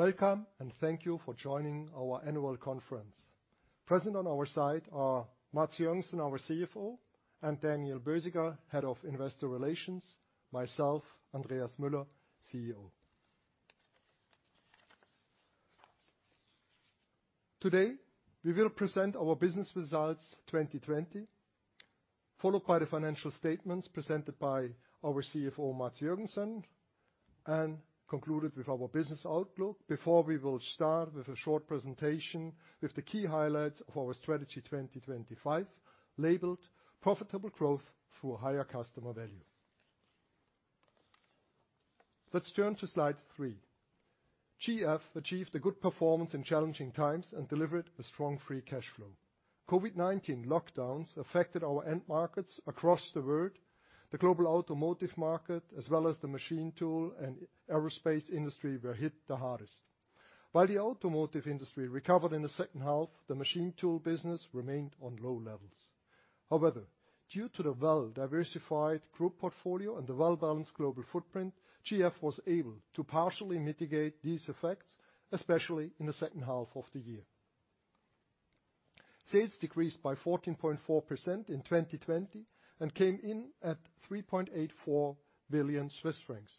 Welcome, and thank you for joining our annual conference. Present on our side are Mads Joergensen, our CFO, and Daniel Bösiger, Head of Investor Relations, myself, Andreas Müller, CEO. Today, we will present our business results 2020, followed by the financial statements presented by our CFO, Mads Joergensen, and concluded with our business outlook. Before, we will start with a short presentation with the key highlights of our Strategy 2025, labeled Profitable Growth through Higher Customer Value. Let's turn to slide three. GF achieved a good performance in challenging times and delivered a strong free cash flow. COVID-19 lockdowns affected our end markets across the world, the global automotive market, as well as the machine tool and aerospace industry were hit the hardest. While the automotive industry recovered in the second half, the machine tool business remained on low levels. Due to the well-diversified group portfolio and the well-balanced global footprint, GF was able to partially mitigate these effects, especially in the second half of the year. Sales decreased by 14.4% in 2020 and came in at 3.84 billion Swiss francs.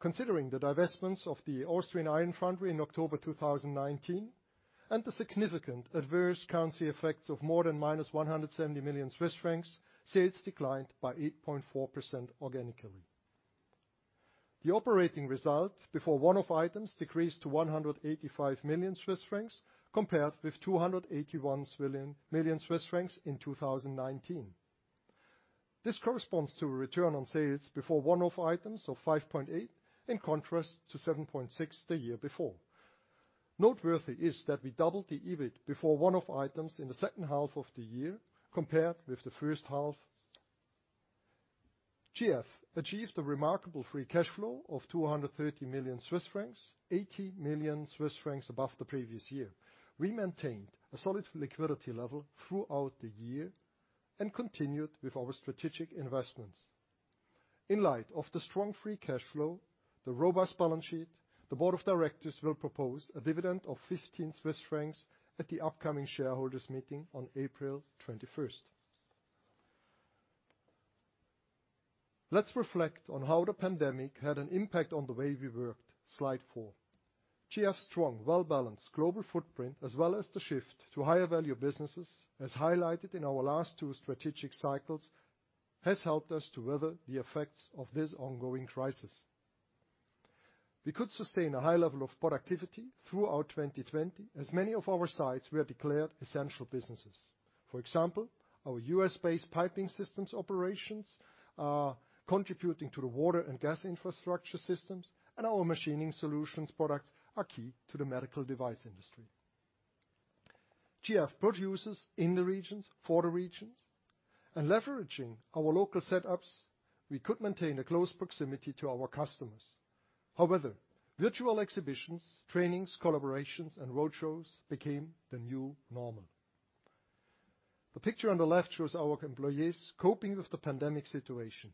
Considering the divestments of the Austrian iron foundry in October 2019 and the significant adverse currency effects of more than -170 million Swiss francs, sales declined by 8.4% organically. The operating result before one-off items decreased to 185 million Swiss francs compared with 281 million Swiss francs in 2019. This corresponds to a return on sales before one-off items of 5.8%, in contrast to 7.6% the year before. Noteworthy is that we doubled the EBIT before one-off items in the second half of the year compared with the first half. GF achieved a remarkable free cash flow of 230 million Swiss francs, 80 million Swiss francs above the previous year. We maintained a solid liquidity level throughout the year and continued with our strategic investments. In light of the strong free cash flow, the robust balance sheet, the board of directors will propose a dividend of 15 Swiss francs at the upcoming shareholders meeting on April 21st. Let's reflect on how the pandemic had an impact on the way we worked, slide four. GF's strong, well-balanced global footprint, as well as the shift to higher-value businesses, as highlighted in our last two strategic cycles, has helped us to weather the effects of this ongoing crisis. We could sustain a high level of productivity throughout 2020 as many of our sites were declared essential businesses. For example, our U.S.-based piping systems operations are contributing to the water and gas infrastructure systems, and our machining solutions products are key to the medical device industry. GF produces in the regions for the regions, and leveraging our local setups, we could maintain a close proximity to our customers. However, virtual exhibitions, trainings, collaborations, and roadshows became the new normal. The picture on the left shows our employees coping with the pandemic situation.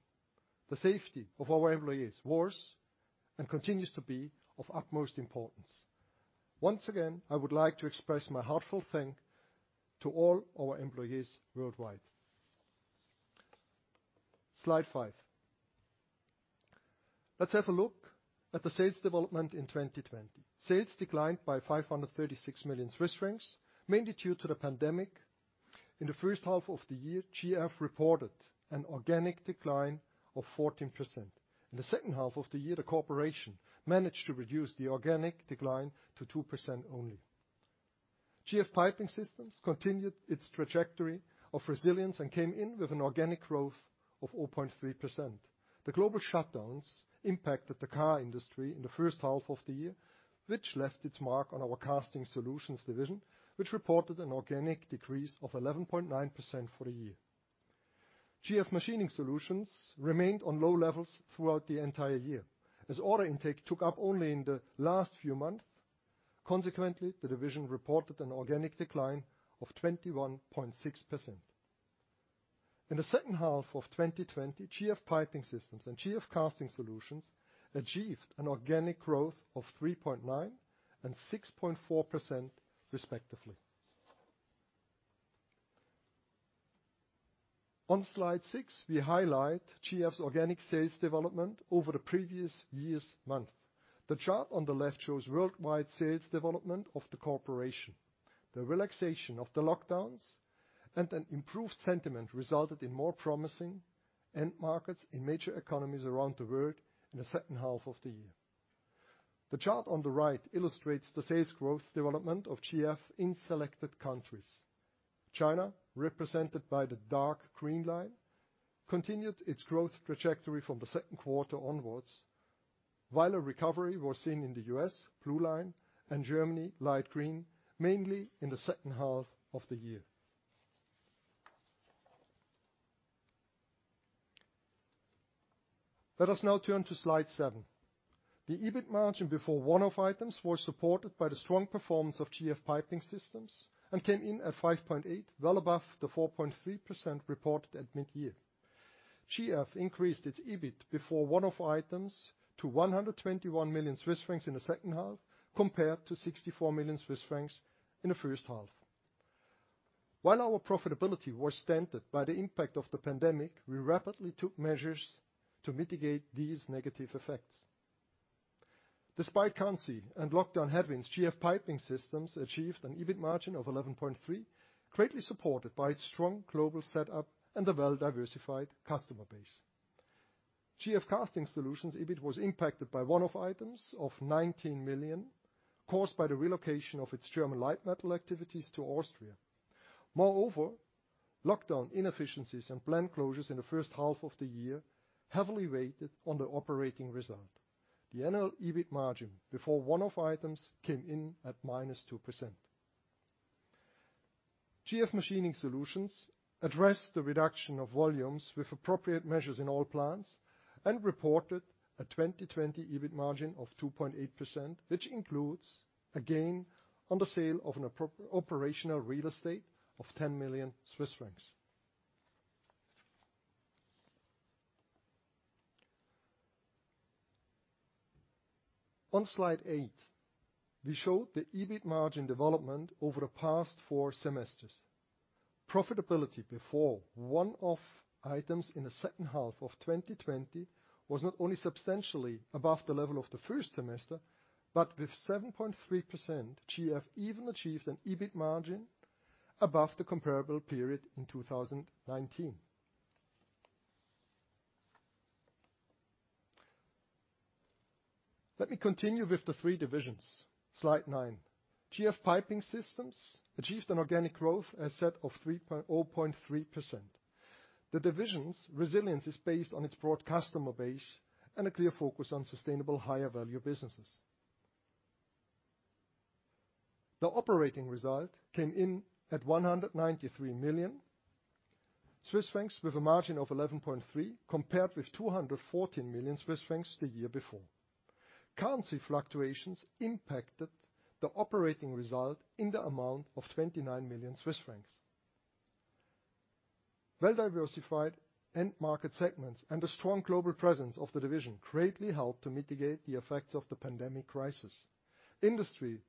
The safety of our employees was, and continues to be, of utmost importance. Once again, I would like to express my heartfelt thank to all our employees worldwide. Slide five. Let's have a look at the sales development in 2020. Sales declined by 536 million Swiss francs, mainly due to the pandemic. In the first half of the year, GF reported an organic decline of 14%. In the second half of the year, the corporation managed to reduce the organic decline to 2% only. GF Piping Systems continued its trajectory of resilience and came in with an organic growth of 0.3%. The global shutdowns impacted the car industry in the first half of the year, which left its mark on our Casting Solutions division, which reported an organic decrease of 11.9% for the year. GF Machining Solutions remained on low levels throughout the entire year, as order intake took up only in the last few months. Consequently, the division reported an organic decline of 21.6%. In the second half of 2020, GF Piping Systems and GF Casting Solutions achieved an organic growth of 3.9% and 6.4% respectively. On slide six, we highlight GF's organic sales development over the previous years' month. The chart on the left shows worldwide sales development of the corporation. The relaxation of the lockdowns and an improved sentiment resulted in more promising end markets in major economies around the world in the second half of the year. The chart on the right illustrates the sales growth development of GF in selected countries. China, represented by the dark green line, continued its growth trajectory from the second quarter onwards, while a recovery was seen in the U.S., blue line, and Germany, light green, mainly in the second half of the year. Let us now turn to slide seven. The EBIT margin before one-off items was supported by the strong performance of GF Piping Systems and came in at 5.8%, well above the 4.3% reported at mid-year. GF increased its EBIT before one-off items to 121 million Swiss francs in the second half, compared to 64 million Swiss francs in the first half. While our profitability was stunted by the impact of the pandemic, we rapidly took measures to mitigate these negative effects. Despite currency and lockdown headwinds, GF Piping Systems achieved an EBIT margin of 11.3%, greatly supported by its strong global setup and a well-diversified customer base. GF Casting Solutions EBIT was impacted by one-off items of 19 million, caused by the relocation of its German light metal activities to Austria. Moreover, lockdown inefficiencies and plant closures in the first half of the year heavily weighted on the operating result. The annual EBIT margin before one-off items came in at -2%. GF Machining Solutions addressed the reduction of volumes with appropriate measures in all plants and reported a 2020 EBIT margin of 2.8%, which includes a gain on the sale of an operational real estate of 10 million Swiss francs. On Slide 8, we show the EBIT margin development over the past four semesters. Profitability before one-off items in the second half of 2020 was not only substantially above the level of the first semester, but with 7.3%, GF even achieved an EBIT margin above the comparable period in 2019. Let me continue with the three divisions. Slide 9. GF Piping Systems achieved an organic growth asset of 0.3%. The division's resilience is based on its broad customer base and a clear focus on sustainable higher-value businesses. The operating result came in at 193 million Swiss francs, with a margin of 11.3%, compared with 214 million Swiss francs the year before. Currency fluctuations impacted the operating result in the amount of 29 million Swiss francs. Well-diversified end market segments and a strong global presence of the division greatly helped to mitigate the effects of the pandemic crisis. Industry,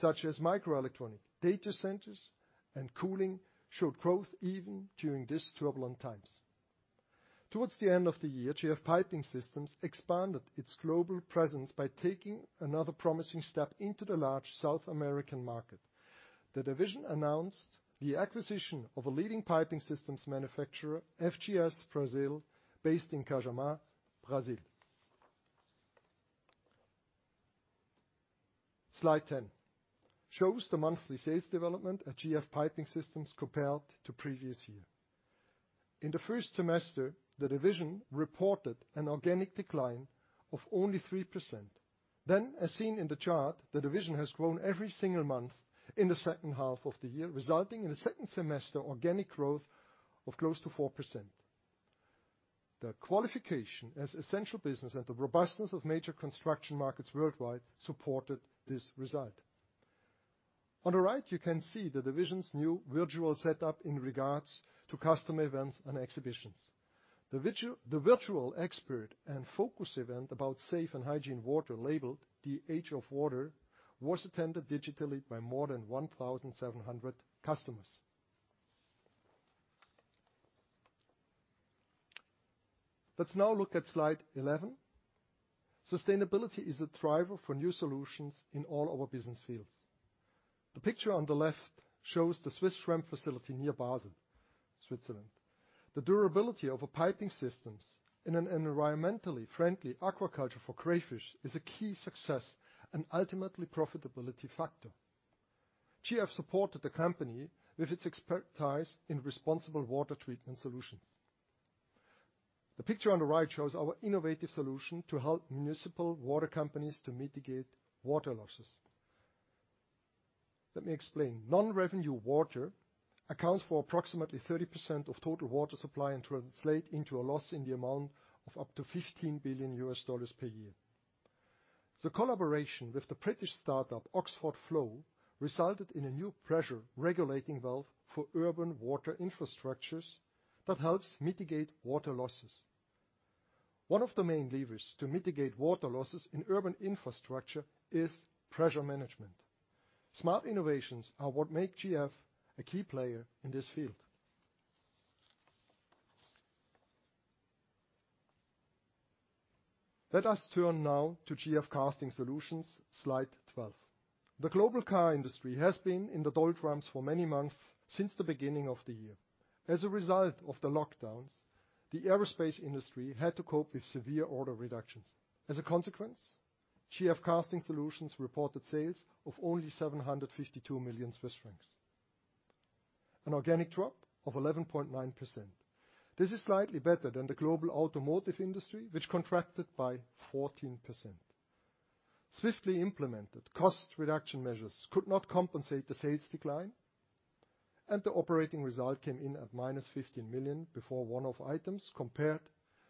such as microelectronic, data centers, and cooling, showed growth even during these turbulent times. Towards the end of the year, GF Piping Systems expanded its global presence by taking another promising step into the large South American market. The division announced the acquisition of a leading piping systems manufacturer, FGS Brasil, based in Cajamar, Brazil. Slide 10 shows the monthly sales development at GF Piping Systems compared to the previous year. In the first semester, the division reported an organic decline of only 3%. As seen in the chart, the division has grown every single month in the second half of the year, resulting in a second-semester organic growth of close to 4%. The qualification as essential business and the robustness of major construction markets worldwide supported this result. On the right, you can see the division's new virtual setup in regards to customer events and exhibitions. The virtual expert and focus event about safe and hygiene water, labeled The Age of Water, was attended digitally by more than 1,700 customers. Let's now look at Slide 11. Sustainability is a driver for new solutions in all our business fields. The picture on the left shows the SwissShrimp facility near Basel, Switzerland. The durability of our piping systems in an environmentally friendly aquaculture for crayfish is a key success and ultimately profitability factor. GF supported the company with its expertise in responsible water treatment solutions. The picture on the right shows our innovative solution to help municipal water companies to mitigate water losses. Let me explain. Non-revenue water accounts for approximately 30% of total water supply and translates into a loss in the amount of up to $15 billion per year. The collaboration with the British startup Oxford Flow resulted in a new pressure-regulating valve for urban water infrastructures that helps mitigate water losses. One of the main levers to mitigate water losses in urban infrastructure is pressure management. Smart innovations are what make GF a key player in this field. Let us turn now to GF Casting Solutions, Slide 12. The global car industry has been in the doldrums for many months since the beginning of the year. As a result of the lockdowns, the aerospace industry had to cope with severe order reductions. As a consequence, GF Casting Solutions reported sales of only 752 million Swiss francs, an organic drop of 11.9%. This is slightly better than the global automotive industry, which contracted by 14%. Swiftly implemented cost reduction measures could not compensate the sales decline, and the operating result came in at -15 million before one-off items, compared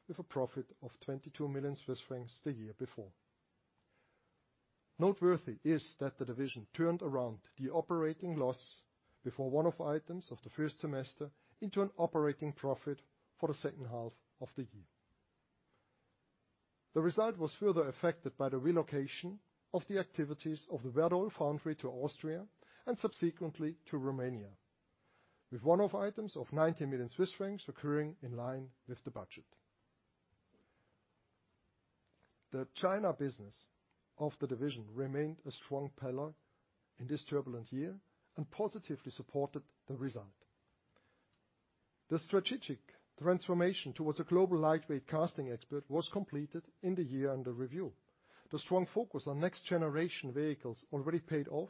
with a profit of 22 million Swiss francs the year before. Noteworthy is that the division turned around the operating loss before one-off items of the first semester into an operating profit for the second half of the year. The result was further affected by the relocation of the activities of the Werdohl foundry to Austria and subsequently to Romania, with one-off items of 90 million Swiss francs occurring in line with the budget. The China business of the division remained a strong pillar in this turbulent year and positively supported the result. The strategic transformation towards a global lightweight casting expert was completed in the year under review. The strong focus on next-generation vehicles already paid off,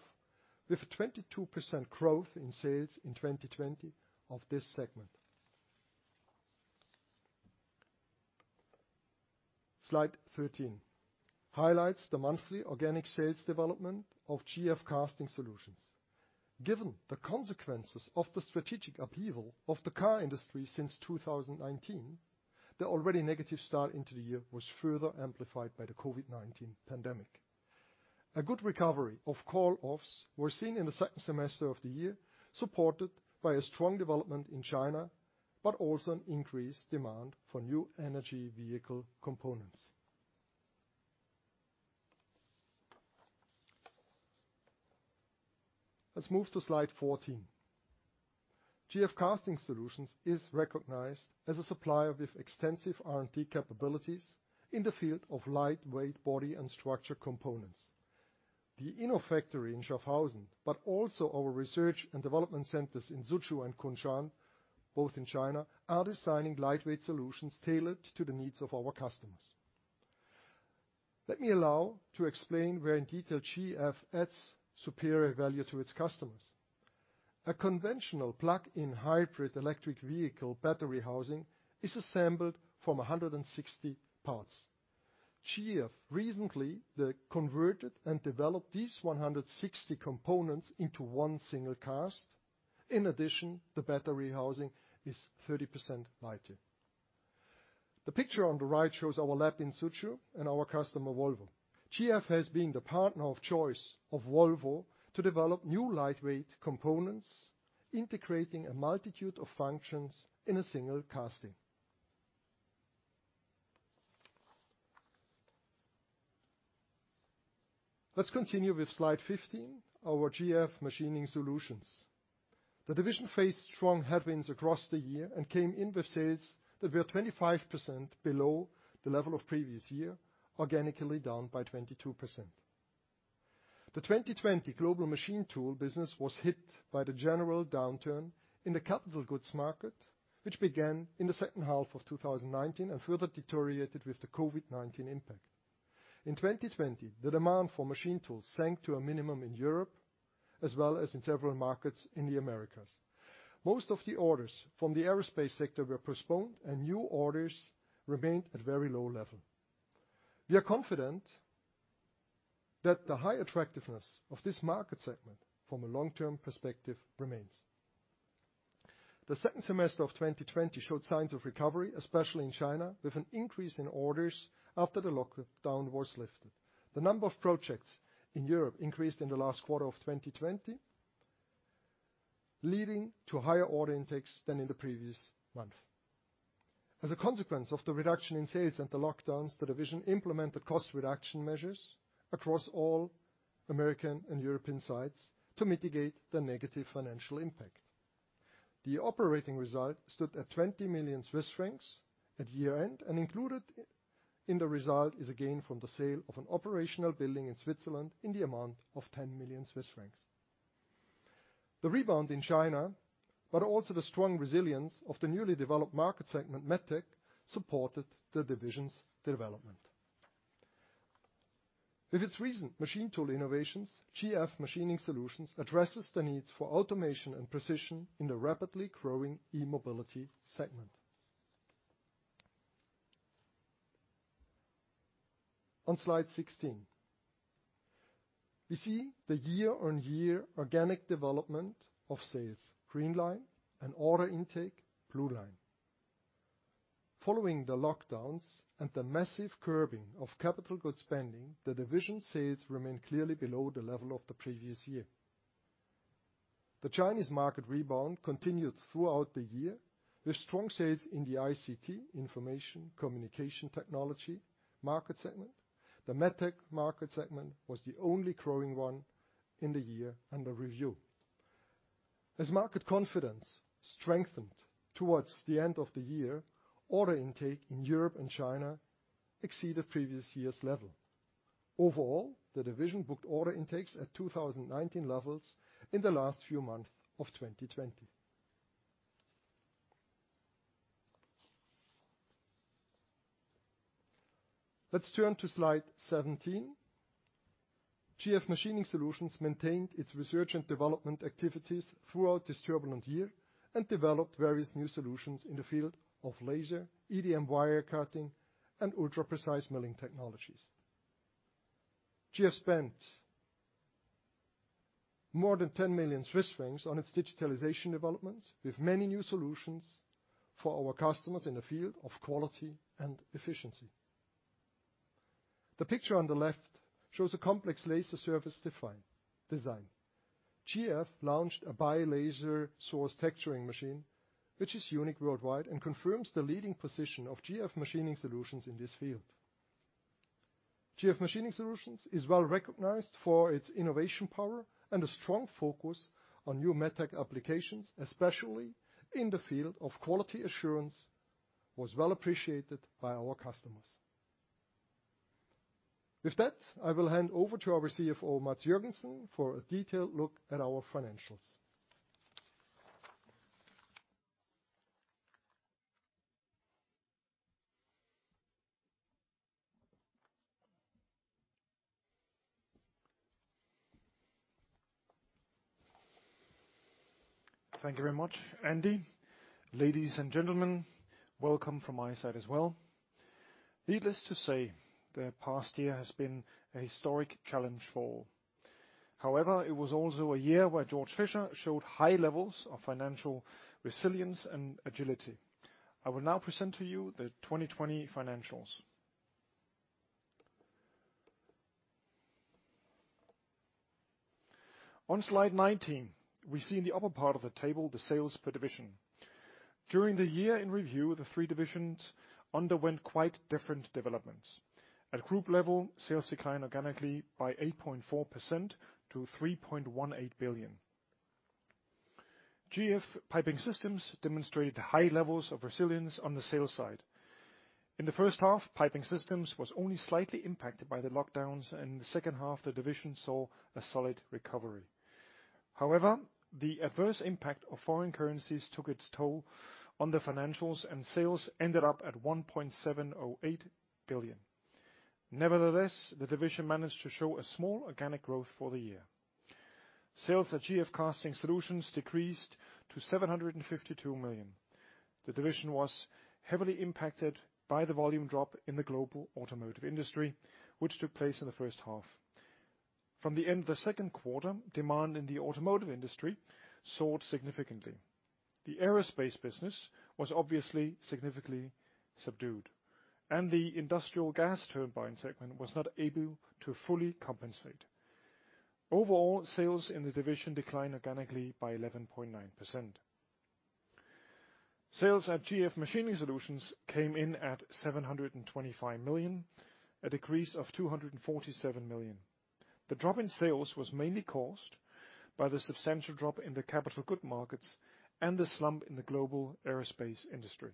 with a 22% growth in sales in 2020 of this segment. Slide 13 highlights the monthly organic sales development of GF Casting Solutions. Given the consequences of the strategic upheaval of the car industry since 2019, the already negative start into the year was further amplified by the COVID-19 pandemic. A good recovery of call-offs were seen in the second semester of the year, supported by a strong development in China, but also an increased demand for new energy vehicle components. Let's move to slide 14. GF Casting Solutions is recognized as a supplier with extensive R&D capabilities in the field of lightweight body and structure components. The InnoFactory in Schaffhausen, but also our research and development centers in Suzhou and Kunshan, both in China, are designing lightweight solutions tailored to the needs of our customers. Let me allow to explain where in detail GF adds superior value to its customers. A conventional plug-in hybrid electric vehicle battery housing is assembled from 160 parts. GF recently converted and developed these 160 components into one single cast. In addition, the battery housing is 30% lighter. The picture on the right shows our lab in Suzhou and our customer, Volvo. GF has been the partner of choice of Volvo to develop new lightweight components, integrating a multitude of functions in a single casting. Let's continue with slide 15, our GF Machining Solutions. The division faced strong headwinds across the year and came in with sales that were 25% below the level of previous year, organically down by 22%. The 2020 global machine tool business was hit by the general downturn in the capital goods market, which began in the second half of 2019 and further deteriorated with the COVID-19 impact. In 2020, the demand for machine tools sank to a minimum in Europe, as well as in several markets in the Americas. Most of the orders from the aerospace sector were postponed, and new orders remained at very low level. We are confident that the high attractiveness of this market segment from a long-term perspective remains. The second semester of 2020 showed signs of recovery, especially in China, with an increase in orders after the lockdown was lifted. The number of projects in Europe increased in the last quarter of 2020, leading to higher order intakes than in the previous month. As a consequence of the reduction in sales and the lockdowns, the division implemented cost-reduction measures across all American and European sites to mitigate the negative financial impact. The operating result stood at 20 million Swiss francs at year-end, and included in the result is a gain from the sale of an operational building in Switzerland in the amount of 10 million Swiss francs. The rebound in China, but also the strong resilience of the newly developed market segment, MedTech, supported the division's development. With its recent machine tool innovations, GF Machining Solutions addresses the needs for automation and precision in the rapidly growing e-mobility segment. On slide 16, you see the year-on-year organic development of sales, green line, and order intake, blue line. Following the lockdowns and the massive curbing of capital good spending, the division sales remain clearly below the level of the previous year. The Chinese market rebound continued throughout the year with strong sales in the ICT, Information Communication Technology, market segment. The MedTech market segment was the only growing one in the year under review. As market confidence strengthened towards the end of the year, order intake in Europe and China exceeded previous year's level. Overall, the division booked order intakes at 2019 levels in the last few months of 2020. Let's turn to slide 17. GF Machining Solutions maintained its research and development activities throughout this turbulent year and developed various new solutions in the field of laser, EDM wire cutting, and ultra-precise milling technologies. GF spent more than 10 million Swiss francs on its digitalization developments, with many new solutions for our customers in the field of quality and efficiency. The picture on the left shows a complex laser surface design. GF launched a bi-laser source texturing machine, which is unique worldwide and confirms the leading position of GF Machining Solutions in this field. GF Machining Solutions is well recognized for its innovation power, and a strong focus on new MedTech applications, especially in the field of quality assurance, was well appreciated by our customers. With that, I will hand over to our CFO, Mads Joergensen, for a detailed look at our financials. Thank you very much, Andy. Ladies and gentlemen, welcome from my side as well. Needless to say, the past year has been a historic challenge for all. However, it was also a year where Georg Fischer showed high levels of financial resilience and agility. I will now present to you the 2020 financials. On slide 19, we see in the upper part of the table the sales per division. During the year in review, the three divisions underwent quite different developments. At group level, sales declined organically by 8.4% to 3.18 billion. GF Piping Systems demonstrated high levels of resilience on the sales side. In the first half, Piping Systems was only slightly impacted by the lockdowns, and in the second half, the division saw a solid recovery. However, the adverse impact of foreign currencies took its toll on the financials, and sales ended up at 1.708 billion. Nevertheless, the division managed to show a small organic growth for the year. Sales at GF Casting Solutions decreased to 752 million. The division was heavily impacted by the volume drop in the global automotive industry, which took place in the first half. From the end of the second quarter, demand in the automotive industry soared significantly. The aerospace business was obviously significantly subdued, and the industrial gas turbine segment was not able to fully compensate. Overall sales in the division declined organically by 11.9%. Sales at GF Machining Solutions came in at 725 million, a decrease of 247 million. The drop in sales was mainly caused by the substantial drop in the capital good markets and the slump in the global aerospace industry.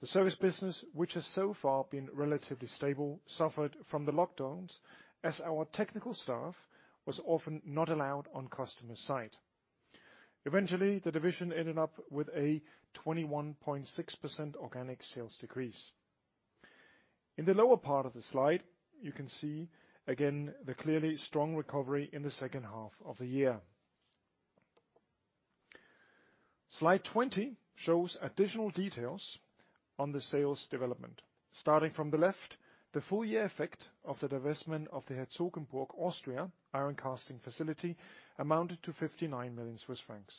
The service business, which has so far been relatively stable, suffered from the lockdowns as our technical staff was often not allowed on customer site. Eventually, the division ended up with a 21.6% organic sales decrease. In the lower part of the slide, you can see again the clearly strong recovery in the second half of the year. Slide 20 shows additional details on the sales development. Starting from the left, the full year effect of the divestment of the Herzogenburg, Austria iron casting facility amounted to 59 million Swiss francs.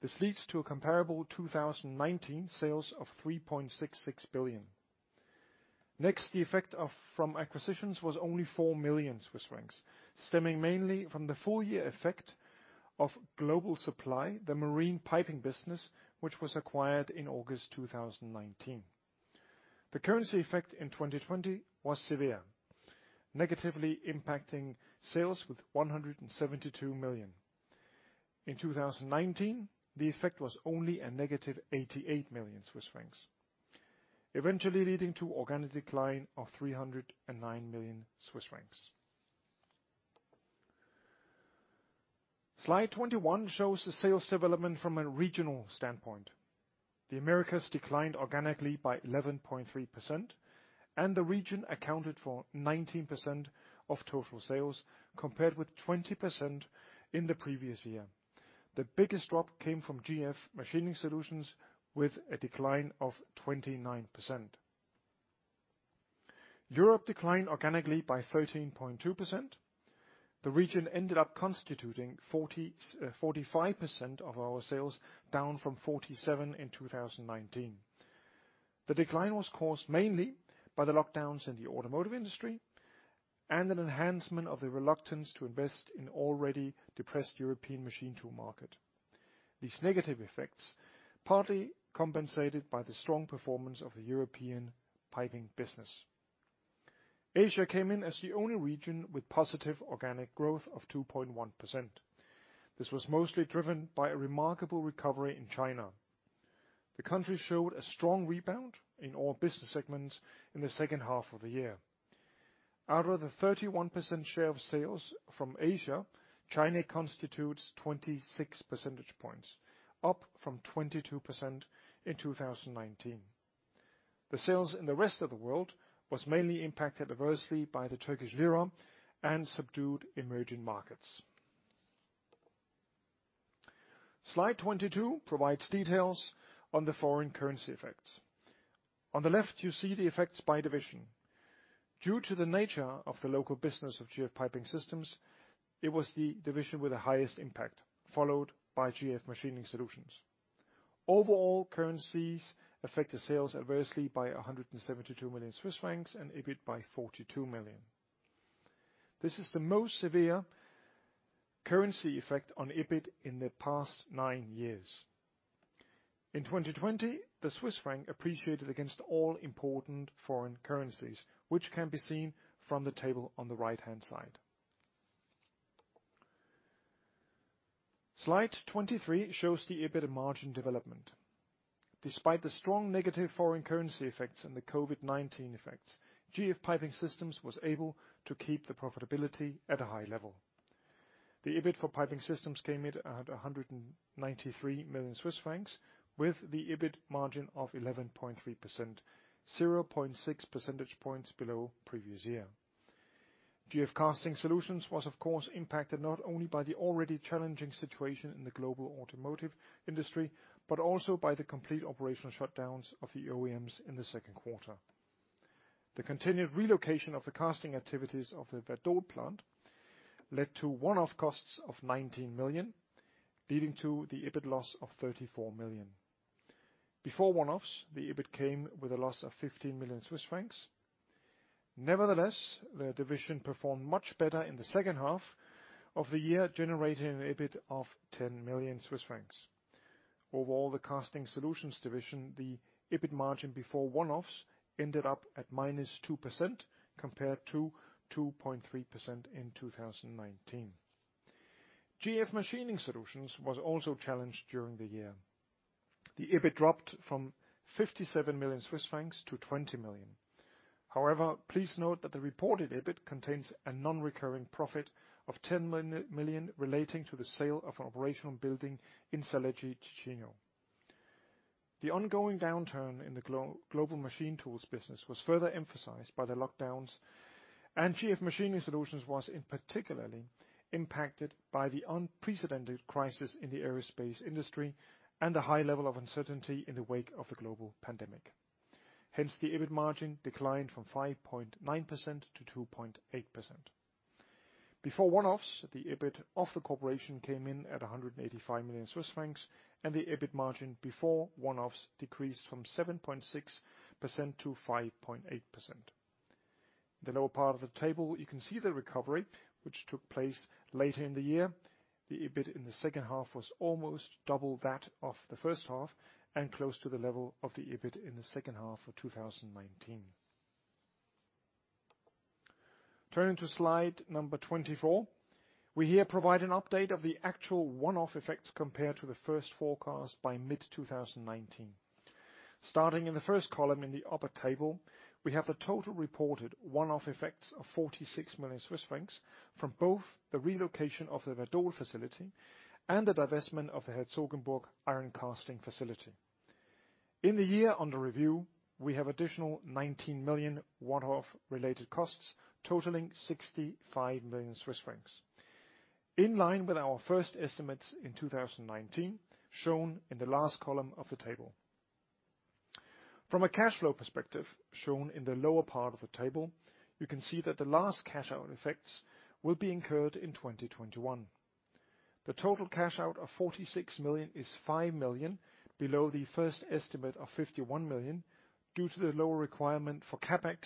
This leads to a comparable 2019 sales of 3.66 billion. Next, the effect from acquisitions was only 4 million Swiss francs, stemming mainly from the full year effect of Global Supply, the marine piping business, which was acquired in August 2019. The currency effect in 2020 was severe, negatively impacting sales with 172 million. In 2019, the effect was only a -88 million Swiss francs, eventually leading to organic decline of 309 million Swiss francs. Slide 21 shows the sales development from a regional standpoint. The Americas declined organically by 11.3%, and the region accounted for 19% of total sales, compared with 20% in the previous year. The biggest drop came from GF Machining Solutions with a decline of 29%. Europe declined organically by 13.2%. The region ended up constituting 45% of our sales, down from 47% in 2019. The decline was caused mainly by the lockdowns in the automotive industry and an enhancement of the reluctance to invest in already depressed European machine tool market. These negative effects partly compensated by the strong performance of the European piping business. Asia came in as the only region with positive organic growth of 2.1%. This was mostly driven by a remarkable recovery in China. The country showed a strong rebound in all business segments in the second half of the year. Out of the 31% share of sales from Asia, China constitutes 26 percentage points, up from 22% in 2019. The sales in the rest of the world was mainly impacted adversely by the Turkish lira and subdued emerging markets. Slide 22 provides details on the foreign currency effects. On the left, you see the effects by division. Due to the nature of the local business of GF Piping Systems, it was the division with the highest impact, followed by GF Machining Solutions. Overall, currencies affected sales adversely by 172 million Swiss francs and EBIT by 42 million. This is the most severe currency effect on EBIT in the past nine years. In 2020, the Swiss franc appreciated against all important foreign currencies, which can be seen from the table on the right-hand side. Slide 23 shows the EBIT margin development. Despite the strong negative foreign currency effects and the COVID-19 effects, GF Piping Systems was able to keep the profitability at a high level. The EBIT for piping systems came in at 193 million Swiss francs with the EBIT margin of 11.3%, 0.6 percentage points below previous year. GF Casting Solutions was, of course, impacted not only by the already challenging situation in the global automotive industry, but also by the complete operational shutdowns of the OEMs in the second quarter. The continued relocation of the casting activities of the Werdohl plant led to one-off costs of 19 million, leading to the EBIT loss of 34 million. Before one-offs, the EBIT came with a loss of 15 million Swiss francs. Nevertheless, the division performed much better in the second half of the year, generating an EBIT of 10 million Swiss francs. Overall, the Casting Solutions division, the EBIT margin before one-offs ended up at -2% compared to 2.3% in 2019. GF Machining Solutions was also challenged during the year. The EBIT dropped from 57 million Swiss francs to 20 million. However, please note that the reported EBIT contains a non-recurring profit of 10 million relating to the sale of an operational building in Saleggi, Ticino. The ongoing downturn in the global machine tools business was further emphasized by the lockdowns, and GF Machining Solutions was in particular impacted by the unprecedented crisis in the aerospace industry and a high level of uncertainty in the wake of the global pandemic. Hence, the EBIT margin declined from 5.9% to 2.8%. Before one-offs, the EBIT of the corporation came in at 185 million Swiss francs, and the EBIT margin before one-offs decreased from 7.6% to 5.8%. In the lower part of the table, you can see the recovery which took place later in the year. The EBIT in the second half was almost double that of the first half and close to the level of the EBIT in the second half of 2019. Turning to slide number 24, we here provide an update of the actual one-off effects compared to the first forecast by mid-2019. Starting in the first column in the upper table, we have the total reported one-off effects of 46 million Swiss francs from both the relocation of the Werdohl facility and the divestment of the Herzogenburg iron casting facility. In the year under review, we have additional 19 million one-off related costs, totaling 65 million Swiss francs. In line with our first estimates in 2019, shown in the last column of the table. From a cash flow perspective, shown in the lower part of the table, you can see that the last cash out effects will be incurred in 2021. The total cash out of 46 million is 5 million below the first estimate of 51 million due to the lower requirement for CapEx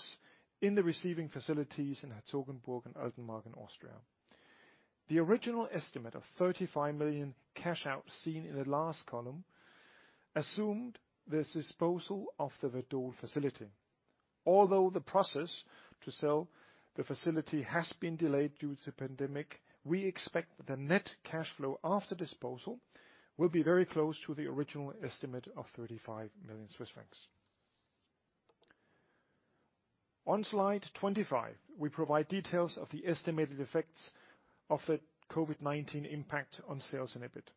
in the receiving facilities in Herzogenburg and Altenmarkt in Austria. The original estimate of 35 million cash out seen in the last column assumed this disposal of the Werdohl facility. Although the process to sell the facility has been delayed due to the pandemic, we expect the net cash flow after disposal will be very close to the original estimate of 35 million Swiss francs. On slide 25, we provide details of the estimated effects of the COVID-19 impact on sales and EBIT.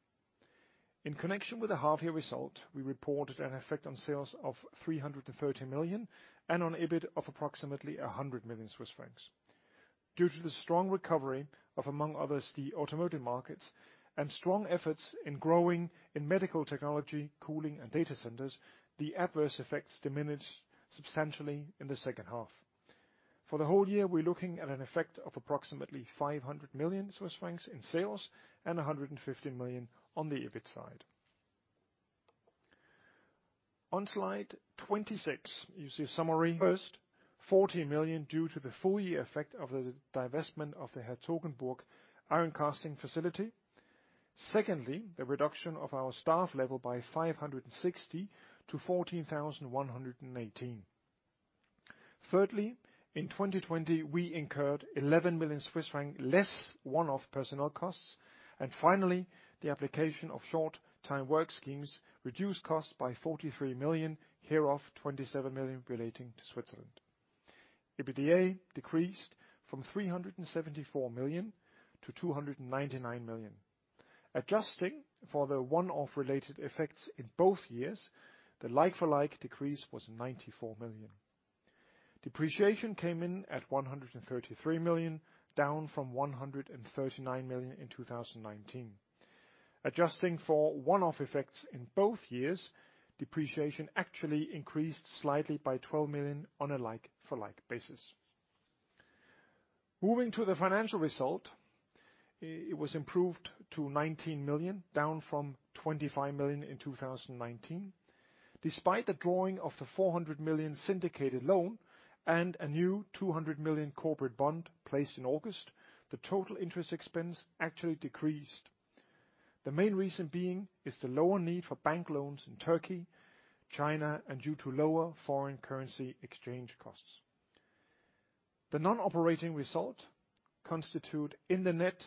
In connection with the half-year result, we reported an effect on sales of 330 million and on EBIT of approximately 100 million Swiss francs. Due to the strong recovery of, among others, the automotive markets and strong efforts in growing in medical technology, cooling, and data centers, the adverse effects diminished substantially in the second half. For the whole year, we're looking at an effect of approximately 500 million Swiss francs in sales and 150 million on the EBIT side. On slide 26, you see a summary. First, 40 million due to the full-year effect of the divestment of the Herzogenburg iron casting facility. Secondly, the reduction of our staff level by 560 to 14,118. Thirdly, in 2020, we incurred 11 million Swiss francs less one-off personnel costs. Finally, the application of short-time work schemes reduced costs by 43 million, hereof 27 million relating to Switzerland. EBITDA decreased from 374 million to 299 million. Adjusting for the one-off related effects in both years, the like-for-like decrease was 94 million. Depreciation came in at 133 million, down from 139 million in 2019. Adjusting for one-off effects in both years, depreciation actually increased slightly by 12 million on a like-for-like basis. Moving to the financial result, it was improved to 19 million, down from 25 million in 2019. Despite the drawing of the 400 million syndicated loan and a new 200 million corporate bond placed in August, the total interest expense actually decreased. The main reason being the lower need for bank loans in Turkey, China, and due to lower foreign currency exchange costs. The non-operating result constitute, in the net,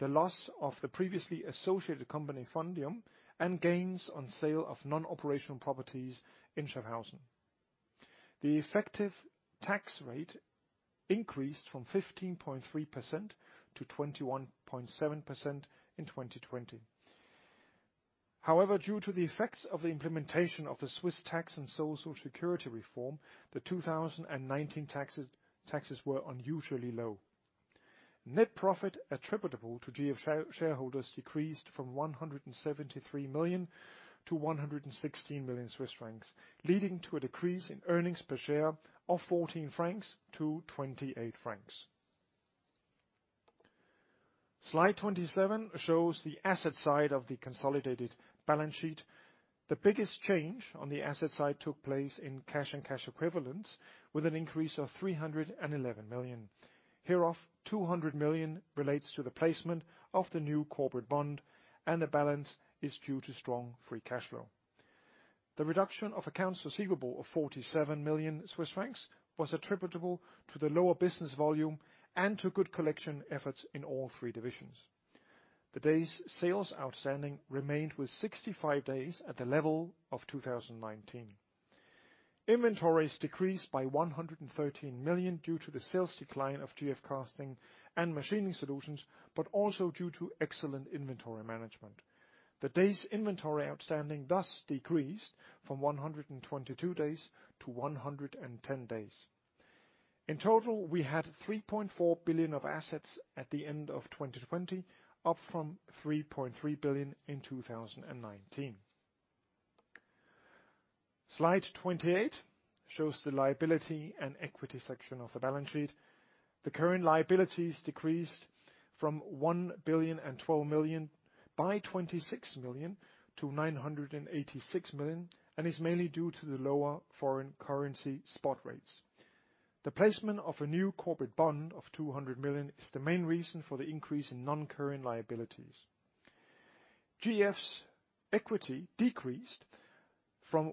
the loss of the previously associated company, Fondium, and gains on sale of non-operational properties in Schaffhausen. The effective tax rate increased from 15.3% to 21.7% in 2020. Due to the effects of the implementation of the Swiss Tax and Social Security Reform, the 2019 taxes were unusually low. Net profit attributable to GF shareholders decreased from 173 million to 116 million Swiss francs, leading to a decrease in earnings per share of 14 francs to 28 francs. Slide 27 shows the asset side of the consolidated balance sheet. The biggest change on the asset side took place in cash and cash equivalents with an increase of 311 million. Hereof, 200 million relates to the placement of the new corporate bond, and the balance is due to strong free cash flow. The reduction of accounts receivable of 47 million Swiss francs was attributable to the lower business volume and to good collection efforts in all three divisions. The days sales outstanding remained with 65 days at the level of 2019. Inventories decreased by 113 million due to the sales decline of GF Casting and Machining Solutions, but also due to excellent inventory management. The days inventory outstanding thus decreased from 122 days to 110 days. In total, we had 3.4 billion of assets at the end of 2020, up from 3.3 billion in 2019. Slide 28 shows the liability and equity section of the balance sheet. The current liabilities decreased from 1.012 billion by 26 million to 986 million, is mainly due to the lower foreign currency spot rates. The placement of a new corporate bond of 200 million is the main reason for the increase in non-current liabilities. GF's equity decreased from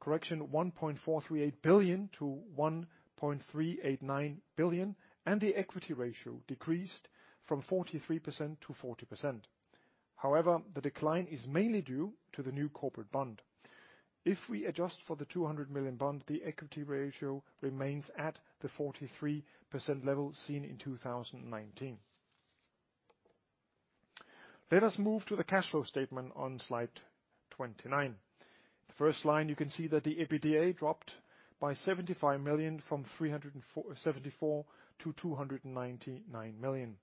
correction, 1.438 billion to 1.389 billion, the equity ratio decreased from 43% to 40%. However, the decline is mainly due to the new corporate bond. If we adjust for the 200 million bond, the equity ratio remains at the 43% level seen in 2019. Let us move to the cash flow statement on Slide 29. The first line, you can see that the EBITDA dropped by 75 million from 374 million to 299 million.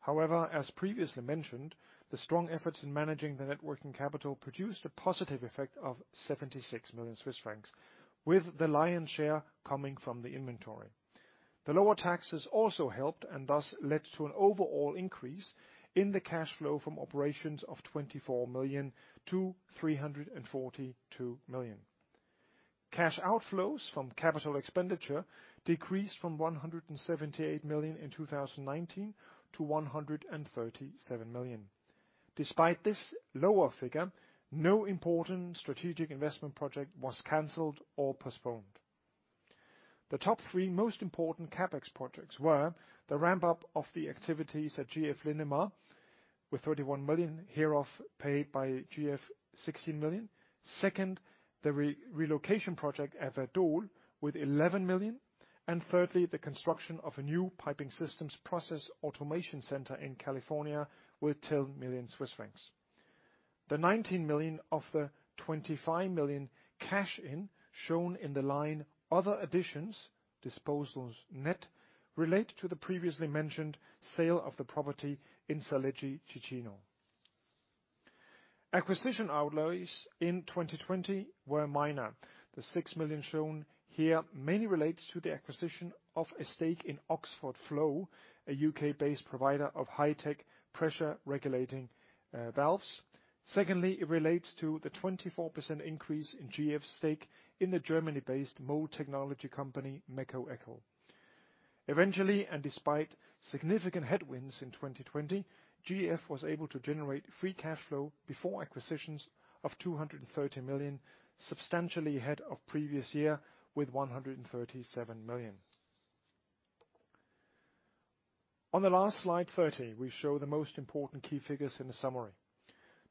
However, as previously mentioned, the strong efforts in managing the net working capital produced a positive effect of 76 million Swiss francs, with the lion's share coming from the inventory. The lower taxes also helped and thus led to an overall increase in the cash flow from operations of 24 million to 342 million. Cash outflows from capital expenditure decreased from 178 million in 2019 to 137 million. Despite this lower figure, no important strategic investment project was canceled or postponed. The top three most important CapEx projects were the ramp-up of the activities at GF Linamar with 31 million, hereof paid by GF, 16 million. Second, the relocation project at Werdohl with 11 million, and thirdly, the construction of a new piping systems process automation center in California with 10 million Swiss francs. The 19 million of the 25 million cash in shown in the line other additions, disposals net, relate to the previously mentioned sale of the property in Saleggi, Ticino. Acquisition outlays in 2020 were minor. The 6 million shown here mainly relates to the acquisition of a stake in Oxford Flow, a U.K.-based provider of high-tech pressure regulating valves. Secondly, it relates to the 24% increase in GF's stake in the Germany-based mold technology company, Meco Eckel. Eventually, and despite significant headwinds in 2020, GF was able to generate free cash flow before acquisitions of 230 million, substantially ahead of previous year with 137 million. On the last slide 30, we show the most important key figures in the summary.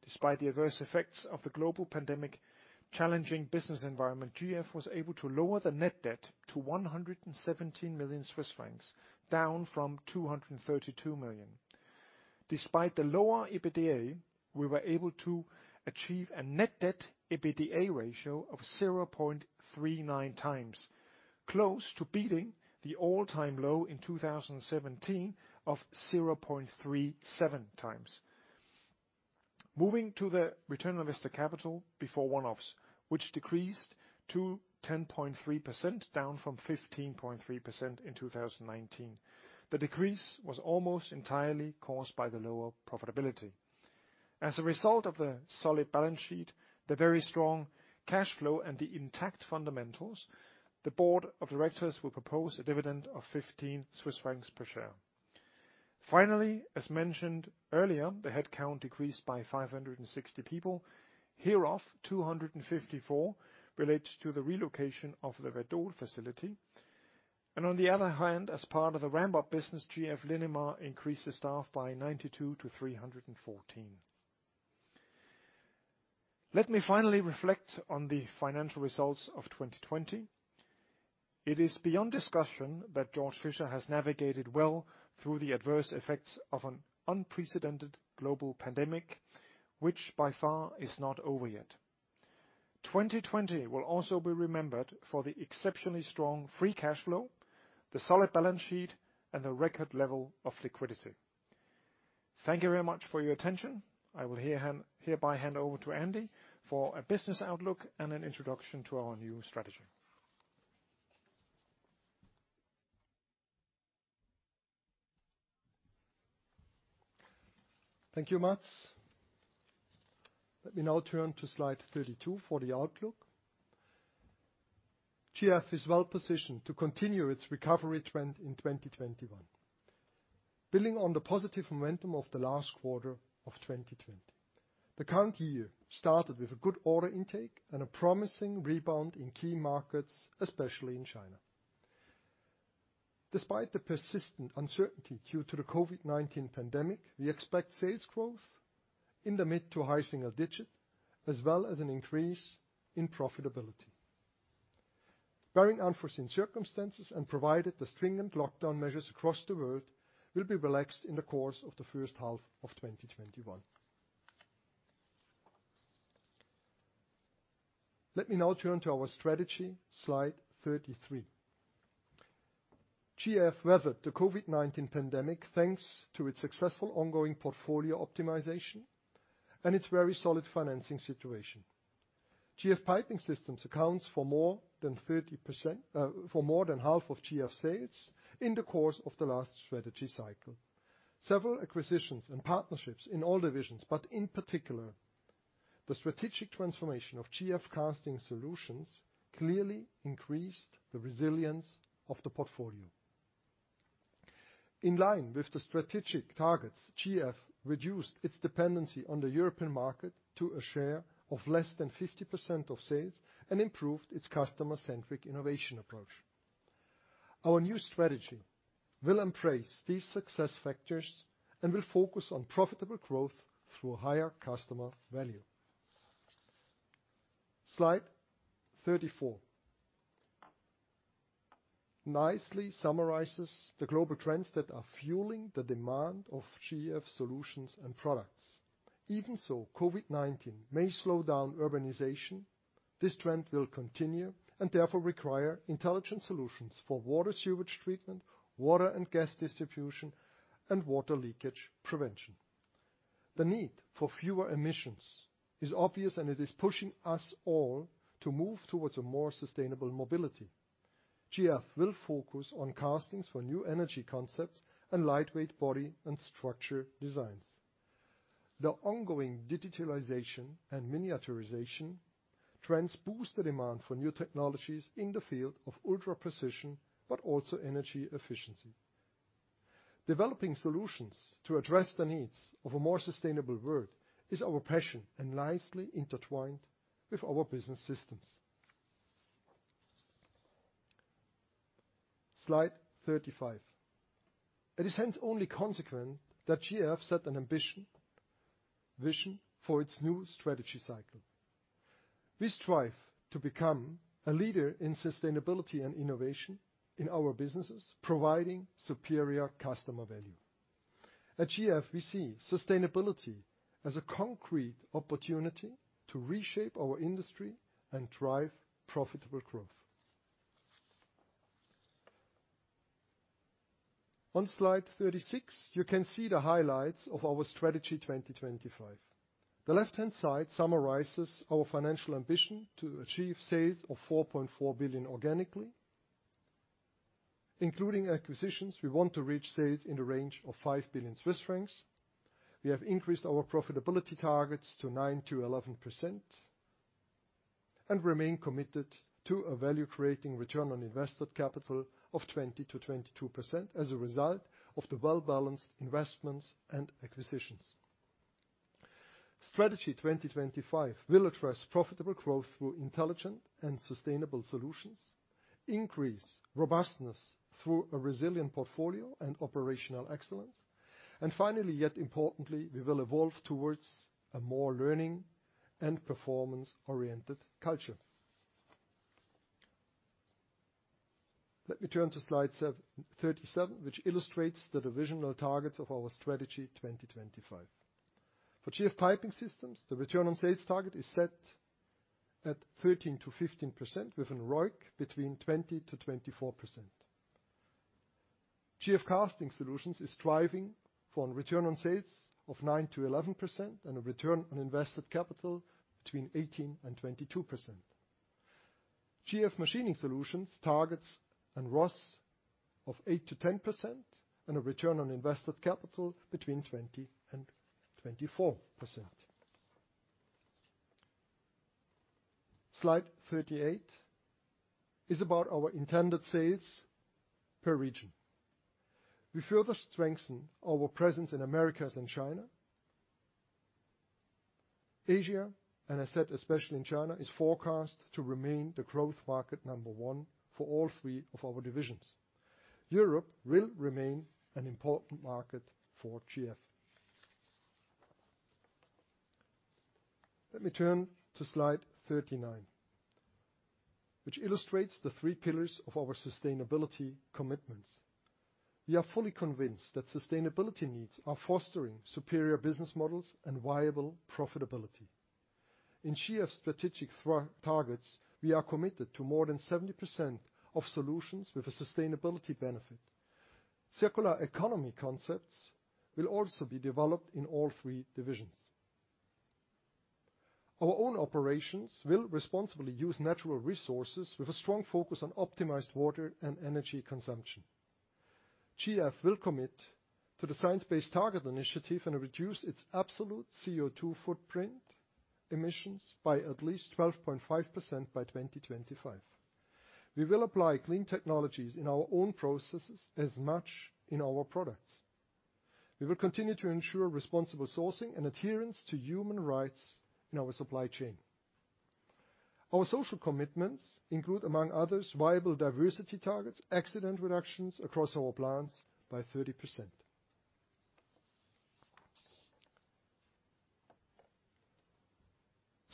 Despite the adverse effects of the global pandemic challenging business environment, GF was able to lower the net debt to 117 million Swiss francs, down from 232 million. Despite the lower EBITDA, we were able to achieve a net debt EBITDA ratio of 0.39x, close to beating the all-time low in 2017 of 0.37x. Moving to the return on invested capital before one-offs, which decreased to 10.3%, down from 15.3% in 2019. The decrease was almost entirely caused by the lower profitability. As a result of the solid balance sheet, the very strong cash flow, and the intact fundamentals, the board of directors will propose a dividend of 15 Swiss francs per share. As mentioned earlier, the headcount decreased by 560 people. Hereof, 254 relates to the relocation of the Werdohl facility. On the other hand, as part of the ramp-up business, GF Linamar increased the staff by 92 to 314. Let me finally reflect on the financial results of 2020. It is beyond discussion that Georg Fischer has navigated well through the adverse effects of an unprecedented global pandemic, which by far is not over yet. 2020 will also be remembered for the exceptionally strong free cash flow, the solid balance sheet, and the record level of liquidity. Thank you very much for your attention. I will hereby hand over to Andy for a business outlook and an introduction to our new strategy. Thank you, Mads. Let me now turn to slide 32 for the outlook. GF is well-positioned to continue its recovery trend in 2021. Building on the positive momentum of the last quarter of 2020, the current year started with a good order intake and a promising rebound in key markets, especially in China. Despite the persistent uncertainty due to the COVID-19 pandemic, we expect sales growth in the mid to high single-digit, as well as an increase in profitability, barring unforeseen circumstances and provided the stringent lockdown measures across the world will be relaxed in the course of the first half of 2021. Let me now turn to our strategy, slide 33. GF weathered the COVID-19 pandemic thanks to its successful ongoing portfolio optimization and its very solid financing situation. GF Piping Systems accounts for more than half of GF sales in the course of the last strategy cycle. Several acquisitions and partnerships in all divisions, but in particular, the strategic transformation of GF Casting Solutions clearly increased the resilience of the portfolio. In line with the strategic targets, GF reduced its dependency on the European market to a share of less than 50% of sales and improved its customer-centric innovation approach. Our new strategy will embrace these success factors and will focus on profitable growth through higher customer value. Slide 34 nicely summarizes the global trends that are fueling the demand of GF solutions and products. Even so, COVID-19 may slow down urbanization. This trend will continue and therefore require intelligent solutions for water sewage treatment, water and gas distribution, and water leakage prevention. The need for fewer emissions is obvious, and it is pushing us all to move towards a more sustainable mobility. GF will focus on castings for new energy concepts and lightweight body and structure designs. The ongoing digitalization and miniaturization trends boost the demand for new technologies in the field of ultra-precision, but also energy efficiency. Developing solutions to address the needs of a more sustainable world is our passion and nicely intertwined with our business systems. Slide 35. It is hence only consequent that GF set an ambition vision for its new strategy cycle. We strive to become a leader in sustainability and innovation in our businesses, providing superior customer value. At GF, we see sustainability as a concrete opportunity to reshape our industry and drive profitable growth. On slide 36, you can see the highlights of our Strategy 2025. The left-hand side summarizes our financial ambition to achieve sales of 4.4 billion organically. Including acquisitions, we want to reach sales in the range of 5 billion Swiss francs. We have increased our profitability targets to 9%-11%, and remain committed to a value-creating return on invested capital of 20%-22% as a result of the well-balanced investments and acquisitions. Strategy 2025 will address profitable growth through intelligent and sustainable solutions, increase robustness through a resilient portfolio and operational excellence, and finally, yet importantly, we will evolve towards a more learning and performance-oriented culture. Let me turn to slide 37, which illustrates the divisional targets of our Strategy 2025. For GF Piping Systems, the return on sales target is set at 13%-15%, with an ROIC between 20%-24%. GF Casting Solutions is striving for a return on sales of 9%-11% and a return on invested capital between 18% and 22%. GF Machining Solutions targets a ROS of 8%-10% and a return on invested capital between 20% and 24%. Slide 38 is about our intended sales per region. We further strengthen our presence in Americas and China. Asia, and I said especially in China, is forecast to remain the growth market number one for all three of our divisions. Europe will remain an important market for GF. Let me turn to slide 39, which illustrates the three pillars of our sustainability commitments. We are fully convinced that sustainability needs are fostering superior business models and viable profitability. In GF strategic targets, we are committed to more than 70% of solutions with a sustainability benefit. Circular economy concepts will also be developed in all three divisions. Our own operations will responsibly use natural resources with a strong focus on optimized water and energy consumption. GF will commit to the Science Based Targets initiative and reduce its absolute CO2 footprint emissions by at least 12.5% by 2025. We will apply clean technologies in our own processes as much in our products. We will continue to ensure responsible sourcing and adherence to human rights in our supply chain. Our social commitments include, among others, viable diversity targets, accident reductions across our plants by 30%.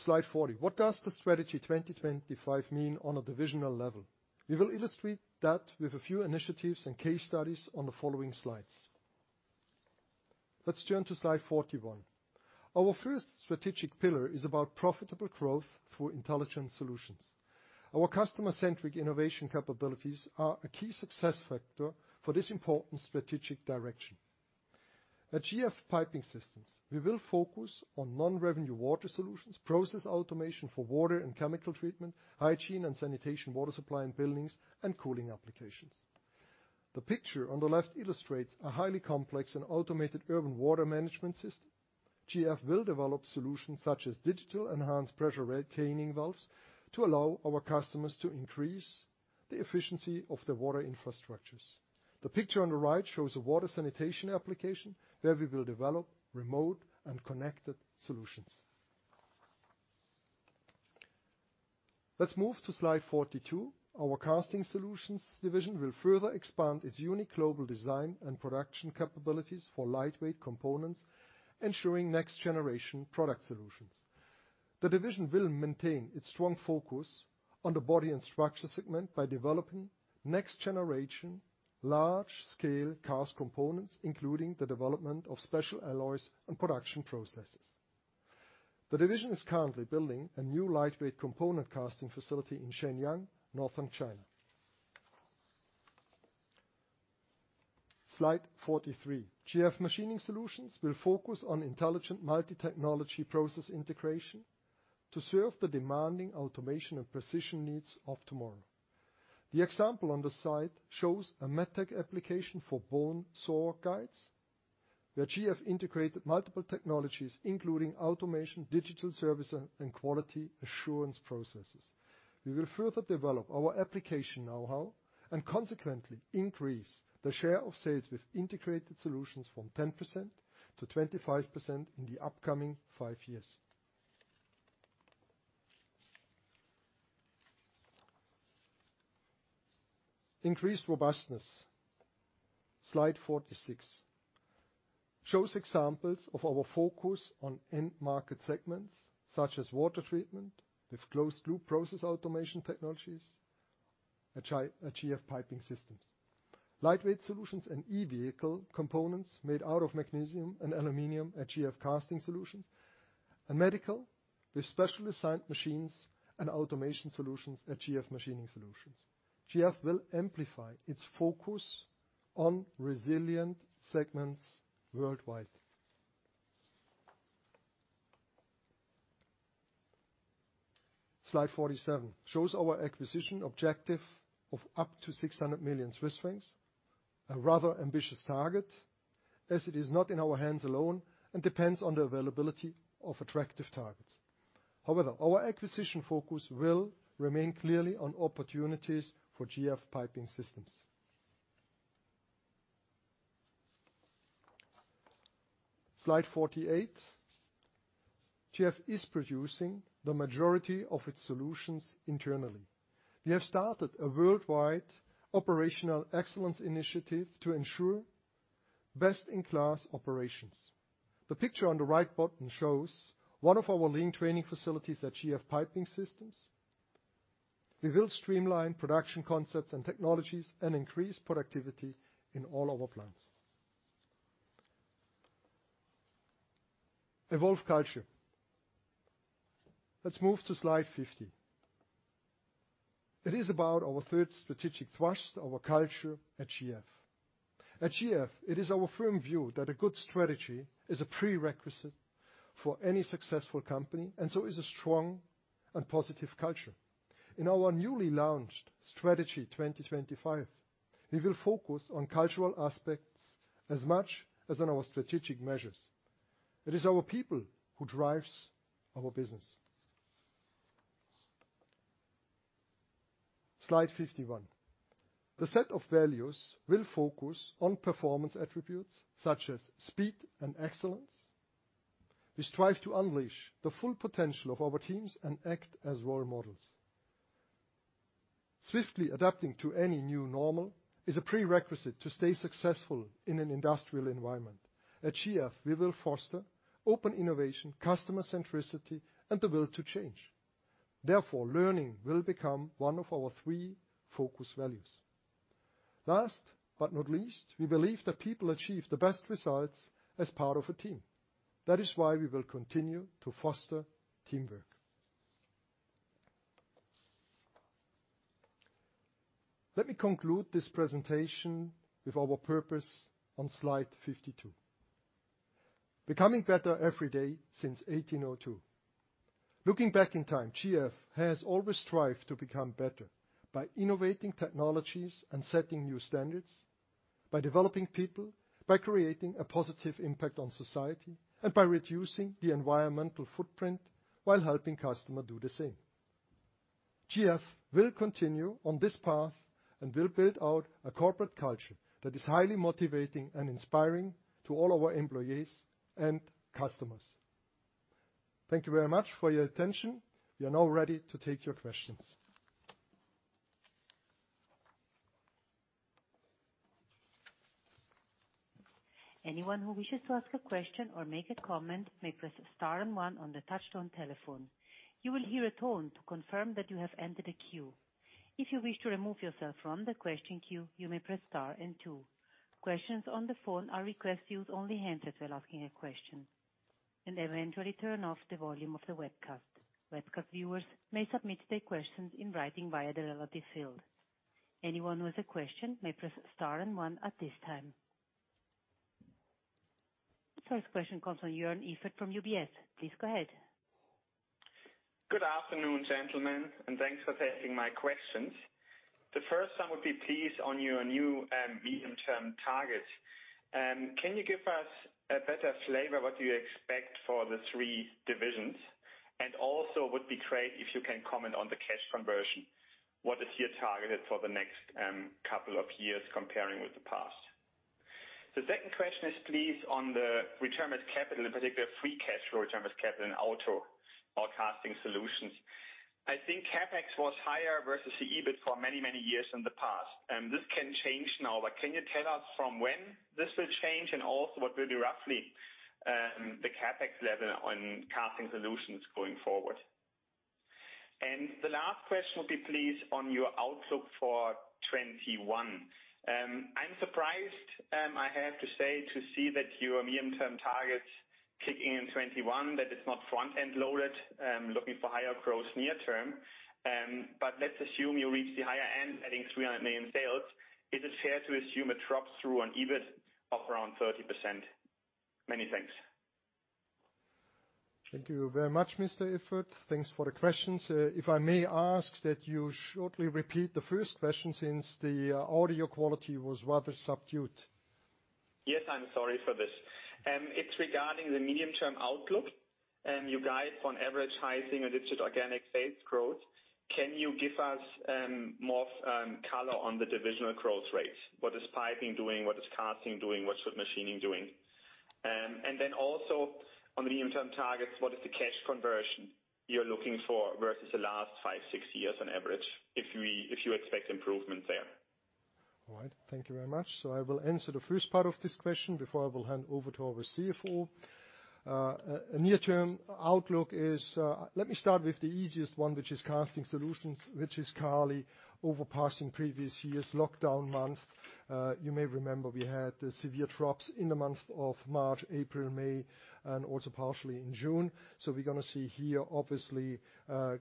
Slide 40. What does the Strategy 2025 mean on a divisional level? We will illustrate that with a few initiatives and case studies on the following slides. Let's turn to slide 41. Our first strategic pillar is about profitable growth through intelligent solutions. Our customer-centric innovation capabilities are a key success factor for this important strategic direction. At GF Piping Systems, we will focus on non-revenue water solutions, process automation for water and chemical treatment, hygiene and sanitation, water supply in buildings, and cooling applications. The picture on the left illustrates a highly complex and automated urban water management system. GF will develop solutions such as digital enhanced pressure retaining valves to allow our customers to increase the efficiency of their water infrastructures. The picture on the right shows a water sanitation application where we will develop remote and connected solutions. Let's move to slide 42. Our Casting Solutions division will further expand its unique global design and production capabilities for lightweight components, ensuring next-generation product solutions. The division will maintain its strong focus on the body and structure segment by developing next-generation large-scale cast components, including the development of special alloys and production processes. The division is currently building a new lightweight component casting facility in Shenyang, Northern China. Slide 43. GF Machining Solutions will focus on intelligent multi-technology process integration to serve the demanding automation and precision needs of tomorrow. The example on the side shows a MedTech application for bone saw guides, where GF integrated multiple technologies, including automation, digital services, and quality assurance processes. We will further develop our application know-how and consequently increase the share of sales with integrated solutions from 10% to 25% in the upcoming five years. Increased robustness. Slide 46 shows examples of our focus on end market segments such as water treatment with closed-loop process automation technologies at GF Piping Systems. Lightweight solutions and e-vehicle components made out of magnesium and aluminum at GF Casting Solutions, and medical with specially designed machines and automation solutions at GF Machining Solutions. GF will amplify its focus on resilient segments worldwide. Slide 47 shows our acquisition objective of up to 600 million Swiss francs, a rather ambitious target, as it is not in our hands alone and depends on the availability of attractive targets. Our acquisition focus will remain clearly on opportunities for GF Piping Systems. Slide 48. GF is producing the majority of its solutions internally. We have started a worldwide operational excellence initiative to ensure best-in-class operations. The picture on the right bottom shows one of our lean training facilities at GF Piping Systems. We will streamline production concepts and technologies and increase productivity in all our plants. Evolve culture. Let's move to slide 50. It is about our third strategic thrust, our culture at GF. At GF, it is our firm view that a good strategy is a prerequisite for any successful company, and so is a strong and positive culture. In our newly launched Strategy 2025, we will focus on cultural aspects as much as on our strategic measures. It is our people who drives our business. Slide 51. The set of values will focus on performance attributes such as speed and excellence. We strive to unleash the full potential of our teams and act as role models. Swiftly adapting to any new normal is a prerequisite to stay successful in an industrial environment. At GF, we will foster open innovation, customer centricity, and the will to change. Therefore, learning will become one of our three focus values. Last but not least, we believe that people achieve the best results as part of a team. That is why we will continue to foster teamwork. Let me conclude this presentation with our purpose on Slide 52. Becoming better every day since 1802. Looking back in time, GF has always strived to become better by innovating technologies and setting new standards, by developing people, by creating a positive impact on society, and by reducing the environmental footprint while helping customer do the same. GF will continue on this path and will build out a corporate culture that is highly motivating and inspiring to all our employees and customers. Thank you very much for your attention. We are now ready to take your questions. Anyone who wishes to ask a question or make a comment may press star and one on their touch-tone telephone. You will hear a tone to confirm that you have entered a queue. If you wish to remove yourself from the question queue, you may press star and two. Questions on the phone are requested to use only handsets while asking a question, and eventually turn off the volume of the webcast. Webcast viewers may submit their questions in writing via the relevant field. Anyone with a question may press star and one at this time. First question comes from Joern Iffert from UBS. Please go ahead. Good afternoon, gentlemen, and thanks for taking my questions. The first one would be, please, on your new medium-term targets. Can you give us a better flavor what you expect for the three divisions? Also would be great if you can comment on the cash conversion. What is your target for the next couple of years comparing with the past? The second question is, please, on the return on capital, in particular free cash flow return on capital in Auto or Casting Solutions. I think CapEx was higher versus the EBIT for many years in the past. This can change now, but can you tell us from when this will change and also what will be roughly the CapEx level on Casting Solutions going forward? The last question would be, please, on your outlook for 2021. I'm surprised, I have to say, to see that your medium-term targets kicking in 2021, that it's not front-end loaded, looking for higher growth near term. Let's assume you reach the higher end, adding 300 million sales. Is it fair to assume it drops through on EBIT of around 30%? Many thanks. Thank you very much, Mr. Iffert. Thanks for the questions. If I may ask that you shortly repeat the first question since the audio quality was rather subdued. Yes, I'm sorry for this. It's regarding the medium-term outlook. You guide on average high single digit organic sales growth. Can you give us more color on the divisional growth rates? What is Piping doing? What is Casting doing? What's with Machining doing? Then also on the medium-term targets, what is the cash conversion you're looking for versus the last five, six years on average, if you expect improvement there? All right. Thank you very much. I will answer the first part of this question before I will hand over to our CFO. Near-term outlook. Let me start with the easiest one, which is Casting Solutions, which is currently overpassing previous years' lockdown months. You may remember we had severe drops in the month of March, April, May, and also partially in June. We're going to see here, obviously,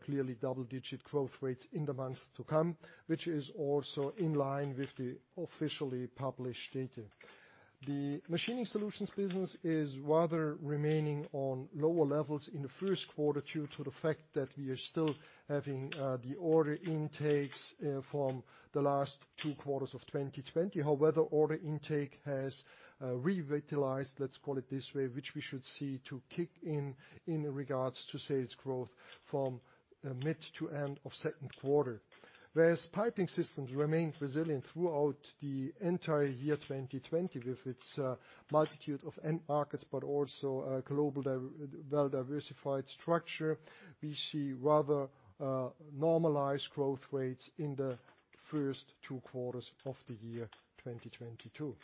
clearly double-digit growth rates in the months to come, which is also in line with the officially published data. The Machining Solutions business is rather remaining on lower levels in the first quarter due to the fact that we are still having the order intakes from the last two quarters of 2020. Order intake has revitalized, let's call it this way, which we should see to kick in regards to sales growth from mid to end of second quarter. Piping Systems remained resilient throughout the entire year 2020 with its multitude of end markets, but also a global well-diversified structure. We see rather normalized growth rates in the first two quarters of the year 2022.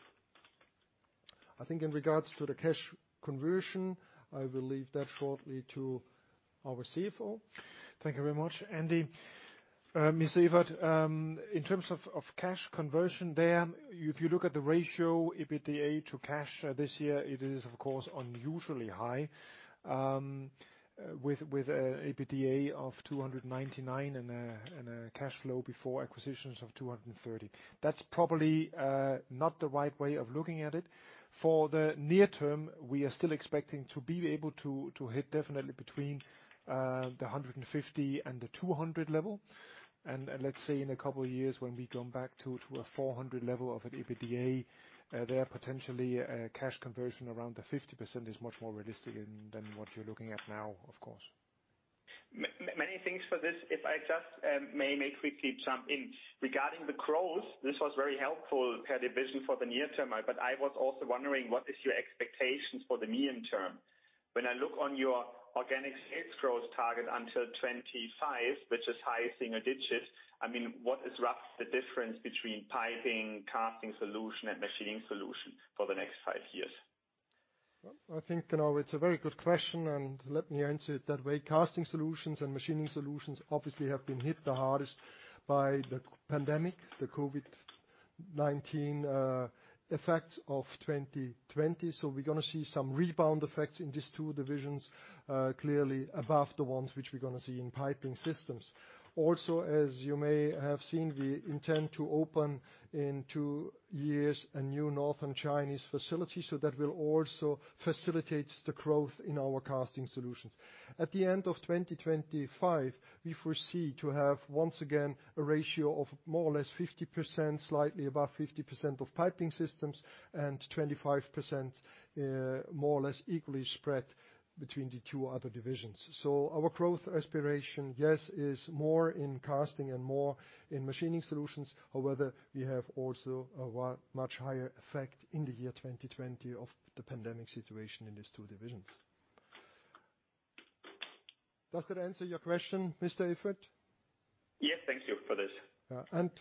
I think in regards to the cash conversion, I will leave that shortly to our CFO. Thank you very much, Andy. Mr. Iffert, in terms of cash conversion there, if you look at the ratio EBITDA to cash this year, it is of course unusually high with EBITDA of 299 and a cash flow before acquisitions of 230. That's probably not the right way of looking at it. For the near term, we are still expecting to be able to hit definitely between the 150 and 200 level. Let's say in a couple of years when we come back to a 400 level of an EBITDA, there potentially a cash conversion around 50% is much more realistic than what you're looking at now, of course. Many thanks for this. If I just may quickly jump in. Regarding the growth, this was very helpful per division for the near term, but I was also wondering, what is your expectations for the medium term? When I look on your organic sales growth target until 2025, which is high single digits, what is roughly the difference between Piping, Casting Solutions, and Machining Solutions for the next five years? I think it's a very good question, and let me answer it that way. Casting Solutions and Machining Solutions obviously have been hit the hardest by the pandemic, the COVID-19 effects of 2020. We're going to see some rebound effects in these two divisions, clearly above the ones which we're going to see in Piping Systems. Also, as you may have seen, we intend to open in two years a new Northern Chinese facility, so that will also facilitate the growth in our Casting Solutions. At the end of 2025, we foresee to have, once again, a ratio of more or less 50%, slightly above 50% of Piping Systems and 25% more or less equally spread between the two other divisions. Our growth aspiration, yes, is more in Casting and more in Machining Solutions. However, we have also a much higher effect in the year 2020 of the pandemic situation in these two divisions. Does that answer your question, Mr. Iffert? Yes, thank you for this.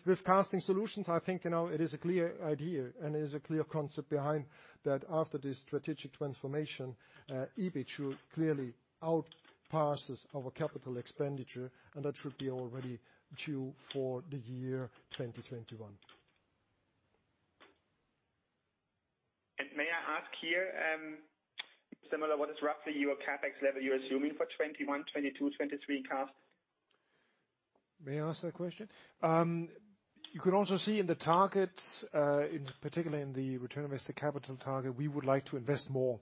With Casting Solutions, I think it is a clear idea and is a clear concept behind that after the strategic transformation, EBIT should clearly outpace our CapEx, and that should be already due for the year 2021. May I ask here, similar, what is roughly your CapEx level you're assuming for 2021, 2022, 2023 cast? May I answer that question? You can also see in the targets, particularly in the return on invested capital target, we would like to invest more,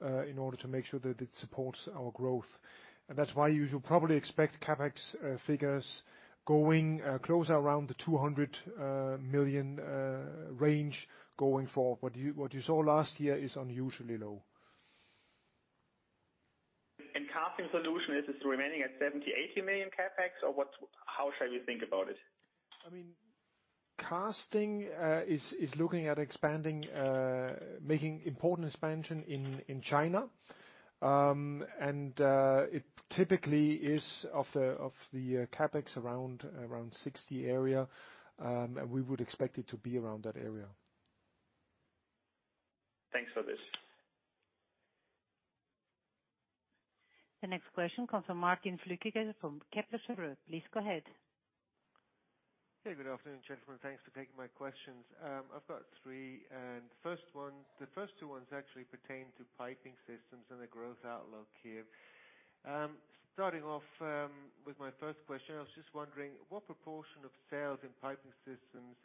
in order to make sure that it supports our growth. That's why you should probably expect CapEx figures going closer around the 200 million range going forward. What you saw last year is unusually low. Casting Solutions, is this remaining at 70 million, 80 million CapEx? How shall we think about it? Casting is looking at making important expansion in China. It typically is, of the CapEx, around 60 million area. We would expect it to be around that area. Thanks for this. The next question comes from Martin Flückiger from Kepler Cheuvreux. Please go ahead. Hey, good afternoon, gentlemen. Thanks for taking my questions. I've got three, and the first two ones actually pertain to Piping Systems and the growth outlook here. Starting off with my first question, I was just wondering what proportion of sales in Piping Systems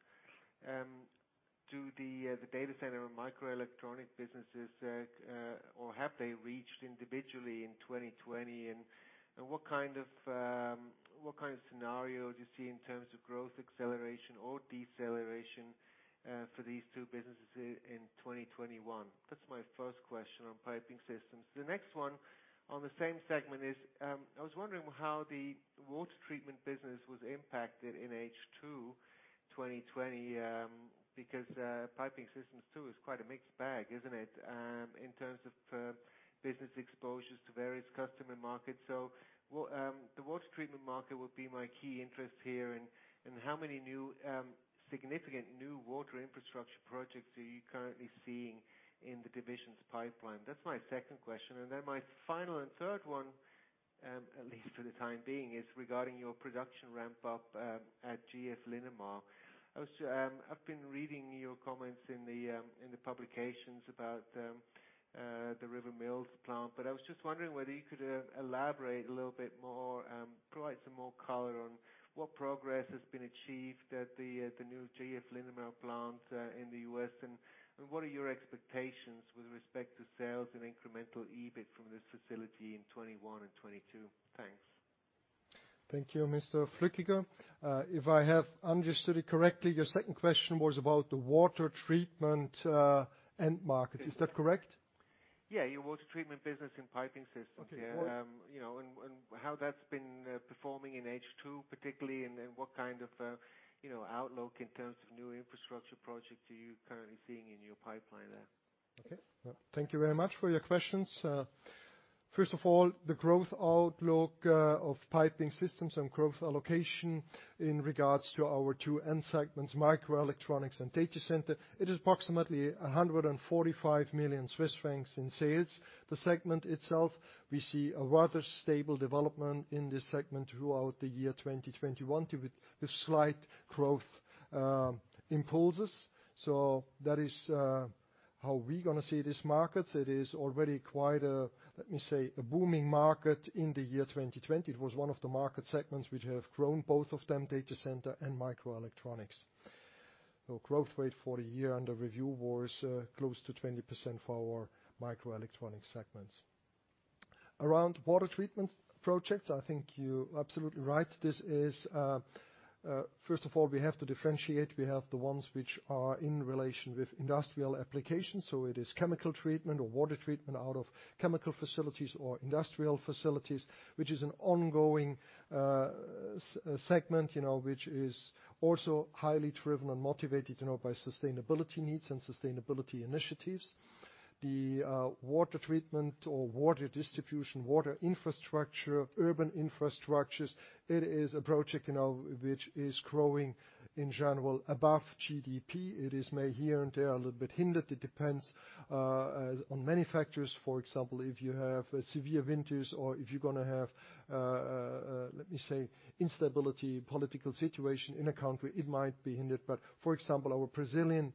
do the data center and microelectronic businesses, or have they reached individually in 2020? And what kind of scenario do you see in terms of growth acceleration or deceleration for these two businesses in 2021? That's my first question on Piping Systems. The next one on the same segment is, I was wondering how the water treatment business was impacted in H2 2020. Because Piping Systems too is quite a mixed bag, isn't it? In terms of business exposures to various customer markets. So the water treatment market would be my key interest here. How many significant new water infrastructure projects are you currently seeing in the divisions pipeline? That's my second question. My final and third one, at least for the time being, is regarding your production ramp up at GF Linamar. I've been reading your comments in the publications about the Mills River plant, but I was just wondering whether you could elaborate a little bit more, provide some more color on what progress has been achieved at the new GF Linamar plant in the U.S., and what are your expectations with respect to sales and incremental EBIT from this facility in 2021 and 2022? Thanks. Thank you, Mr. Flückiger. If I have understood it correctly, your second question was about the water treatment end market. Is that correct? Yeah. Your water treatment business in Piping Systems. Okay. How that's been performing in H2 particularly, and what kind of outlook in terms of new infrastructure projects are you currently seeing in your pipeline there? Okay. Thank you very much for your questions. First of all, the growth outlook of Piping Systems and growth allocation in regards to our two end segments, microelectronics and data center. It is approximately 145 million Swiss francs in sales. The segment itself, we see a rather stable development in this segment throughout the year 2021, with slight growth impulses. That is how we're going to see this market. It is already quite a, let me say, a booming market in the year 2020. It was one of the market segments which have grown, both of them, data center and microelectronics. The growth rate for the year under review was close to 20% for our microelectronics segments. Around water treatment projects, I think you're absolutely right. First of all, we have to differentiate. We have the ones which are in relation with industrial applications, so it is chemical treatment or water treatment out of chemical facilities or industrial facilities, which is an ongoing segment, which is also highly driven and motivated by sustainability needs and sustainability initiatives. The water treatment or water distribution, water infrastructure, urban infrastructures, it is a project, which is growing in general above GDP. It is may here and there a little bit hindered. It depends on many factors. For example, if you have severe winters or if you're going to have, let me say, instability, political situation in a country, it might be hindered. For example, our Brazilian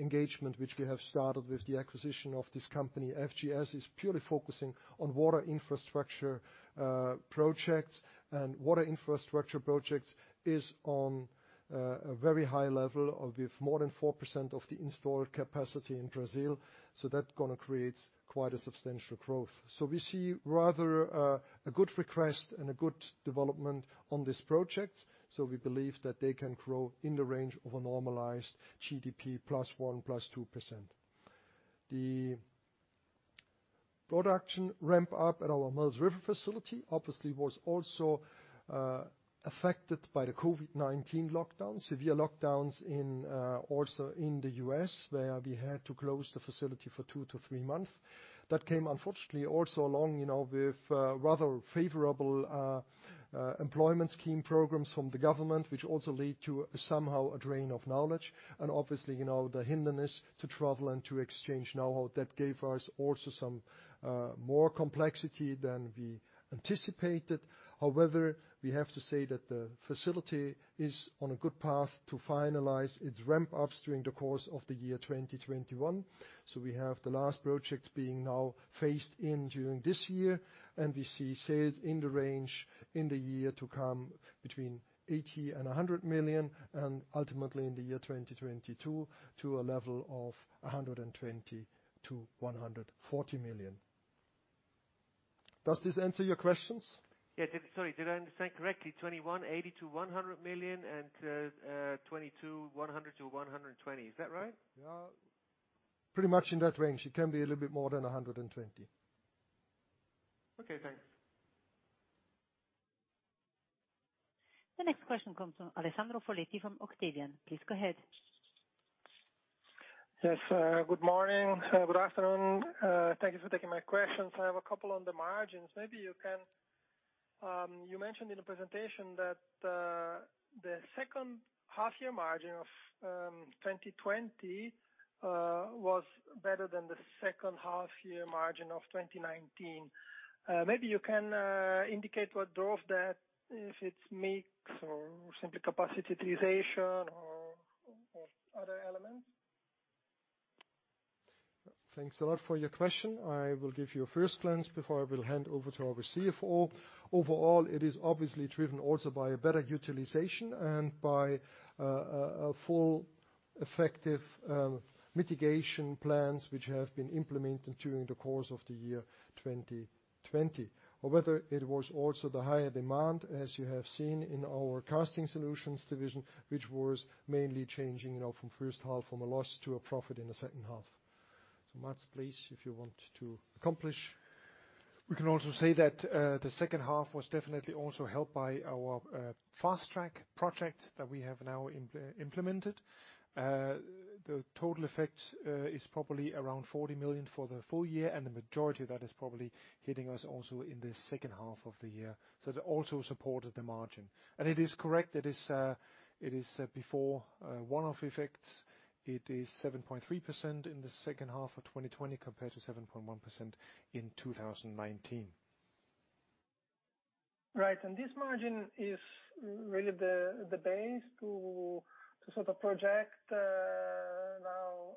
engagement, which we have started with the acquisition of this company, FGS, is purely focusing on water infrastructure projects. Water infrastructure projects is on a very high level of, with more than 4% of the installed capacity in Brazil. That going to create quite a substantial growth. We see rather a good request and a good development on this project. We believe that they can grow in the range of a normalized GDP +1%, +2%. The production ramp-up at our Mills River facility obviously was also affected by the COVID-19 lockdown, severe lockdowns also in the U.S., where we had to close the facility for two to three months. That came unfortunately also along, with rather favorable employment scheme programs from the government, which also lead to somehow a drain of knowledge and obviously, the hinderness to travel and to exchange know-how, that gave us also some more complexity than we anticipated. We have to say that the facility is on a good path to finalize its ramp-ups during the course of the year 2021. We have the last projects being now phased in during this year, and we see sales in the range in the year to come between 80 million and 100 million, and ultimately in the year 2022 to a level of 120 million-140 million. Does this answer your questions? Yes. Sorry, did I understand correctly, 2021, 80 million-100 million and 2022, 100 million-120 million? Is that right? Yeah. Pretty much in that range. It can be a little bit more than 120. Okay, thanks. The next question comes from Alessandro Foletti from Octavian. Please go ahead. Yes, good morning. Good afternoon. Thank you for taking my questions. I have a couple on the margins. You mentioned in the presentation that the second half-year margin of 2020 was better than the second half-year margin of 2019. Maybe you can indicate what drove that, if it's mix or simply capacity utilization or other elements. Thanks a lot for your question. I will give you a first glance before I will hand over to our CFO. Overall, it is obviously driven also by a better utilization and by a full effective mitigation plans which have been implemented during the course of the year 2020. Whether it was also the higher demand, as you have seen in our Casting Solutions division, which was mainly changing, from first half from a loss to a profit in the second half. Mads, please, if you want to accomplish. We can also say that the second half was definitely also helped by our Fast Track project that we have now implemented. The total effect is probably around 40 million for the full year, and the majority of that is probably hitting us also in the second half of the year. That also supported the margin. It is correct, it is before one-off effects. It is 7.3% in the second half of 2020, compared to 7.1% in 2019. Right. This margin is really the base to sort of project now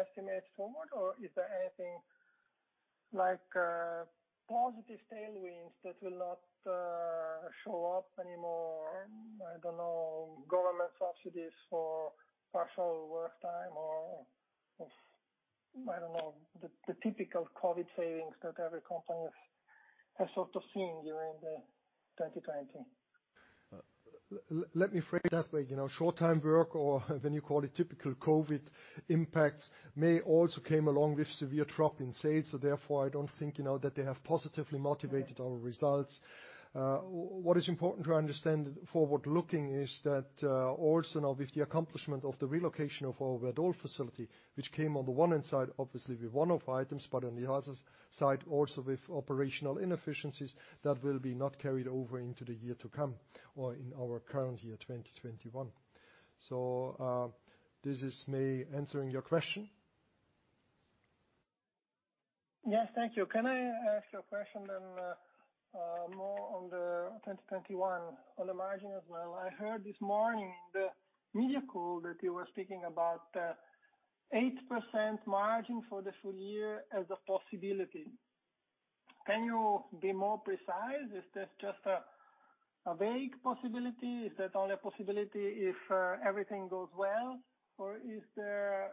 estimates forward, or is there anything like positive tailwinds that will not show up anymore, I don't know, government subsidies for partial work time or, I don't know, the typical COVID savings that every company has sort of seen during 2020? Let me phrase it that way. Short-time work or when you call it typical COVID impacts may also came along with severe drop in sales. Therefore, I don't think that they have positively motivated our results. What is important to understand forward-looking is that, also now with the accomplishment of the relocation of our Werdohl facility, which came on the one hand side, obviously with one-off items, but on the other side, also with operational inefficiencies, that will be not carried over into the year to come or in our current year, 2021. This is me answering your question. Yes, thank you. Can I ask you a question more on the 2021 on the margin as well? I heard this morning in the media call that you were speaking about 8% margin for the full year as a possibility. Can you be more precise? Is this just a vague possibility? Is that only a possibility if everything goes well? Is there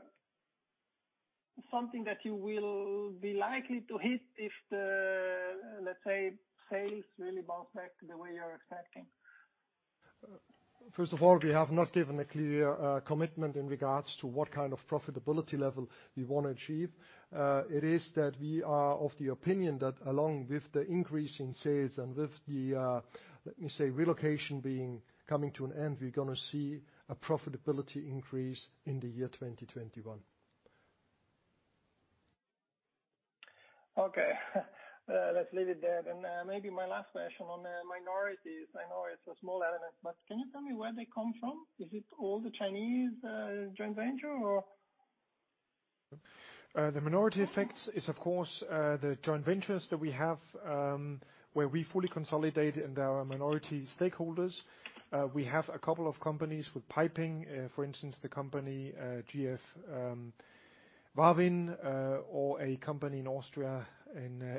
something that you will be likely to hit if the, let's say, sales really bounce back the way you're expecting? First of all, we have not given a clear commitment in regards to what kind of profitability level we want to achieve. It is that we are of the opinion that along with the increase in sales and with the, let me say, relocation coming to an end, we're going to see a profitability increase in the year 2021. Okay. Let's leave it there. Maybe my last question on minorities. I know it's a small element, but can you tell me where they come from? Is it all the Chinese joint venture or? The minority effects is of course, the joint ventures that we have, where we fully consolidate and there are minority stakeholders. We have a couple of companies with piping, for instance, the company GF Wavin, or a company in Austria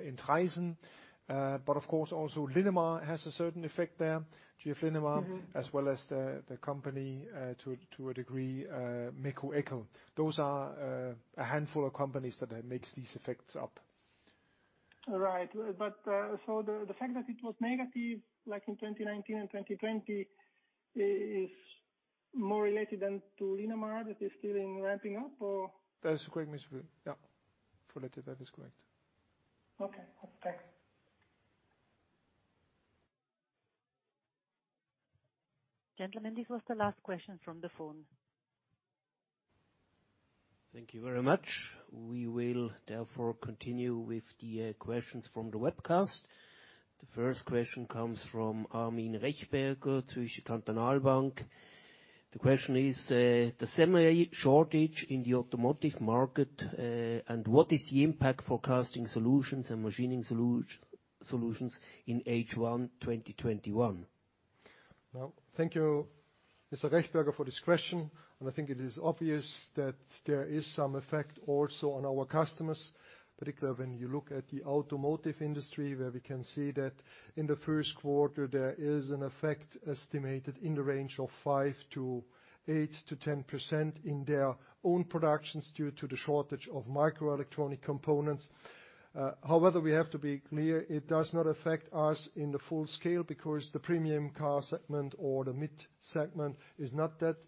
in Traisen. Of course, also Linamar has a certain effect there. GF Linamar, as well as the company, to a degree, Meco. Those are a handful of companies that makes these effects up. Right. The fact that it was negative, like in 2019 and 2020 is more related than to Linamar that is still in ramping up or? That is correct, Mr. Foletti. Yeah, that is correct. Okay. Thanks. Gentlemen, this was the last question from the phone. Thank you very much. We will therefore continue with the questions from the webcast. The first question comes from Armin Rechberger, Zürcher Kantonalbank. The question is, the semi shortage in the automotive market, and what is the impact for Casting Solutions and Machining Solutions in H1 2021? Well, thank you, Mr. Rechberger, for this question, and I think it is obvious that there is some effect also on our customers, particularly when you look at the automotive industry, where we can see that in the first quarter, there is an effect estimated in the range of 5%-8%-10% in their own productions due to the shortage of microelectronic components. However, we have to be clear, it does not affect us in the full scale because the premium car segment or the mid segment is not that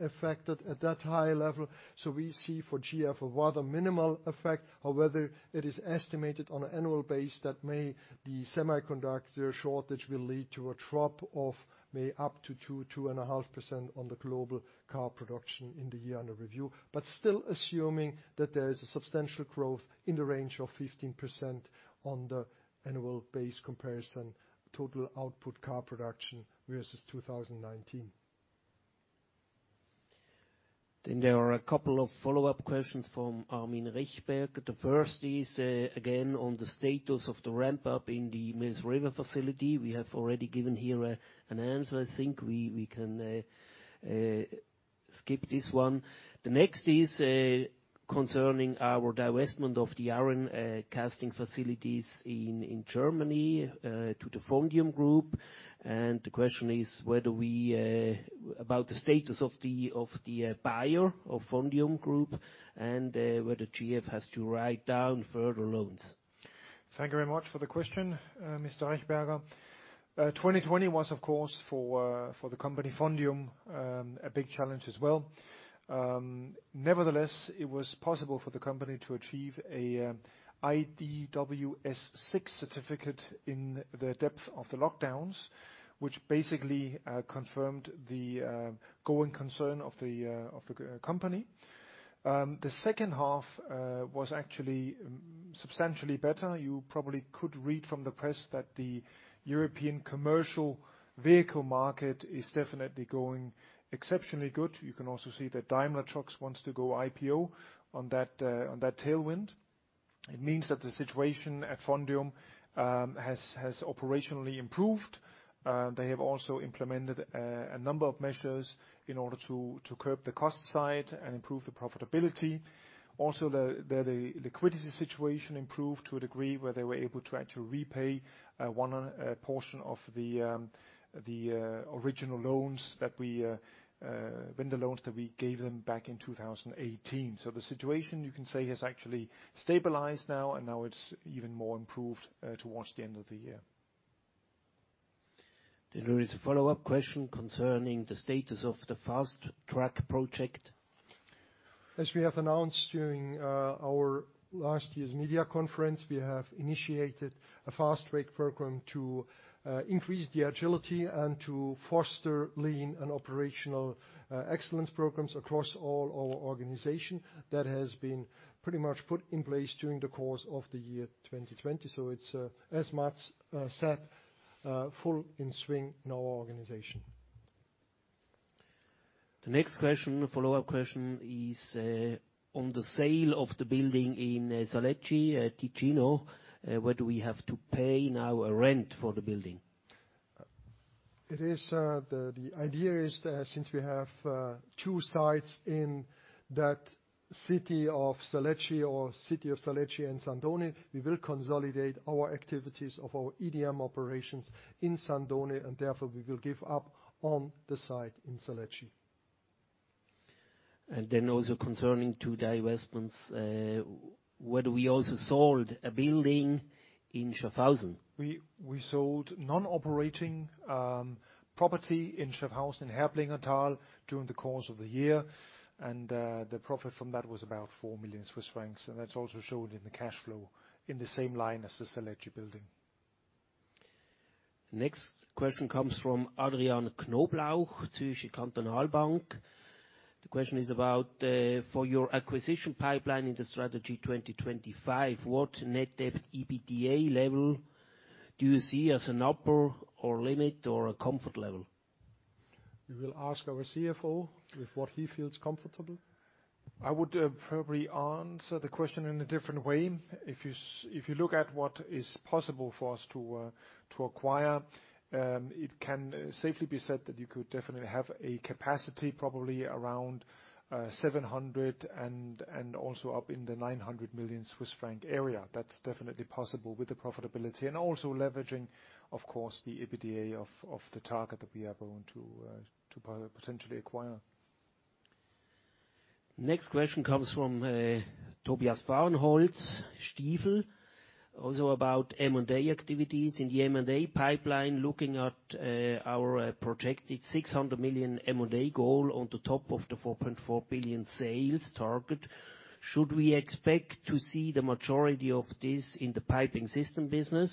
affected at that high level. We see for GF a rather minimal effect. However, it is estimated on an annual base that may the semiconductor shortage will lead to a drop of may up to 2%-2.5% on the global car production in the year under review. Still assuming that there is a substantial growth in the range of 15% on the annual base comparison, total output car production versus 2019. There are a couple of follow-up questions from Armin Rechberger. The first is, again, on the status of the ramp-up in the Mills River facility. We have already given here an answer. I think we can skip this one. The next is concerning our divestment of the iron casting facilities in Germany, to the Fondium Group. The question is, about the status of the buyer of Fondium Group, and whether GF has to write down further loans. Thank you very much for the question, Mr. Rechberger. 2020 was, of course, for the company Fondium, a big challenge as well. It was possible for the company to achieve a IDW S6 certificate in the depth of the lockdowns, which basically confirmed the going concern of the company. The second half was actually substantially better. You probably could read from the press that the European commercial vehicle market is definitely going exceptionally good. You can also see that Daimler Truck wants to go IPO on that tailwind. The situation at Fondium has operationally improved. They have also implemented a number of measures in order to curb the cost side and improve the profitability. Their liquidity situation improved to a degree where they were able to actually repay one portion of the original vendor loans that we gave them back in 2018. The situation you can say has actually stabilized now, and now it's even more improved towards the end of the year. There is a follow-up question concerning the status of the Fast Track project. As we have announced during our last year's media conference, we have initiated a Fast Track program to increase the agility and to foster lean and operational excellence programs across all our organization. That has been pretty much put in place during the course of the year 2020. It's, as Mads said, full in swing in our organization. The next question, follow-up question, is on the sale of the building in Saleggi, Ticino. Whether we have to pay now a rent for the building? The idea is, since we have two sites in that city of Saleggii and San Donà, we will consolidate our activities of our EDM operations in San Donà, and therefore we will give up on the site in Saleggi. Also concerning two divestments, whether we also sold a building in Schaffhausen. We sold non-operating property in Schaffhausen, Herblingertal, during the course of the year, and the profit from that was about 4 million Swiss francs. That's also shown in the cash flow in the same line as the Saleggi building. Next question comes from Adrian Knoblauch, Zürcher Kantonalbank. The question is about, for your acquisition pipeline in the Strategy 2025, what net debt EBITDA level do you see as an upper or limit or a comfort level? We will ask our CFO with what he feels comfortable. I would probably answer the question in a different way. If you look at what is possible for us to acquire, it can safely be said that you could definitely have a capacity probably around 700 million and also up in the 900 million Swiss franc area. That's definitely possible with the profitability and also leveraging, of course, the EBITDA of the target that we are going to potentially acquire. Next question comes from Tobias Fahrenholz, Stifel. Also about M&A activities. In the M&A pipeline, looking at our projected 600 million M&A goal on the top of the 4.4 billion sales target, should we expect to see the majority of this in the piping system business?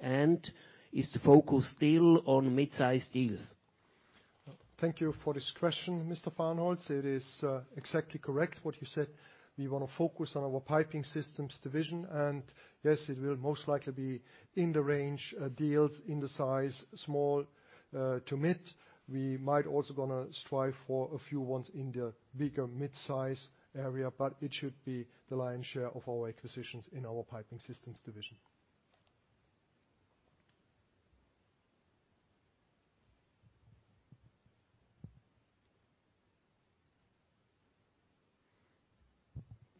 Is the focus still on mid-size deals? Thank you for this question, Mr. Fahrenholz. It is exactly correct what you said. We want to focus on our Piping Systems division. Yes, it will most likely be in the range of deals in the size small to mid. We might also going to strive for a few ones in the bigger mid-size area, it should be the lion's share of our acquisitions in our Piping Systems division.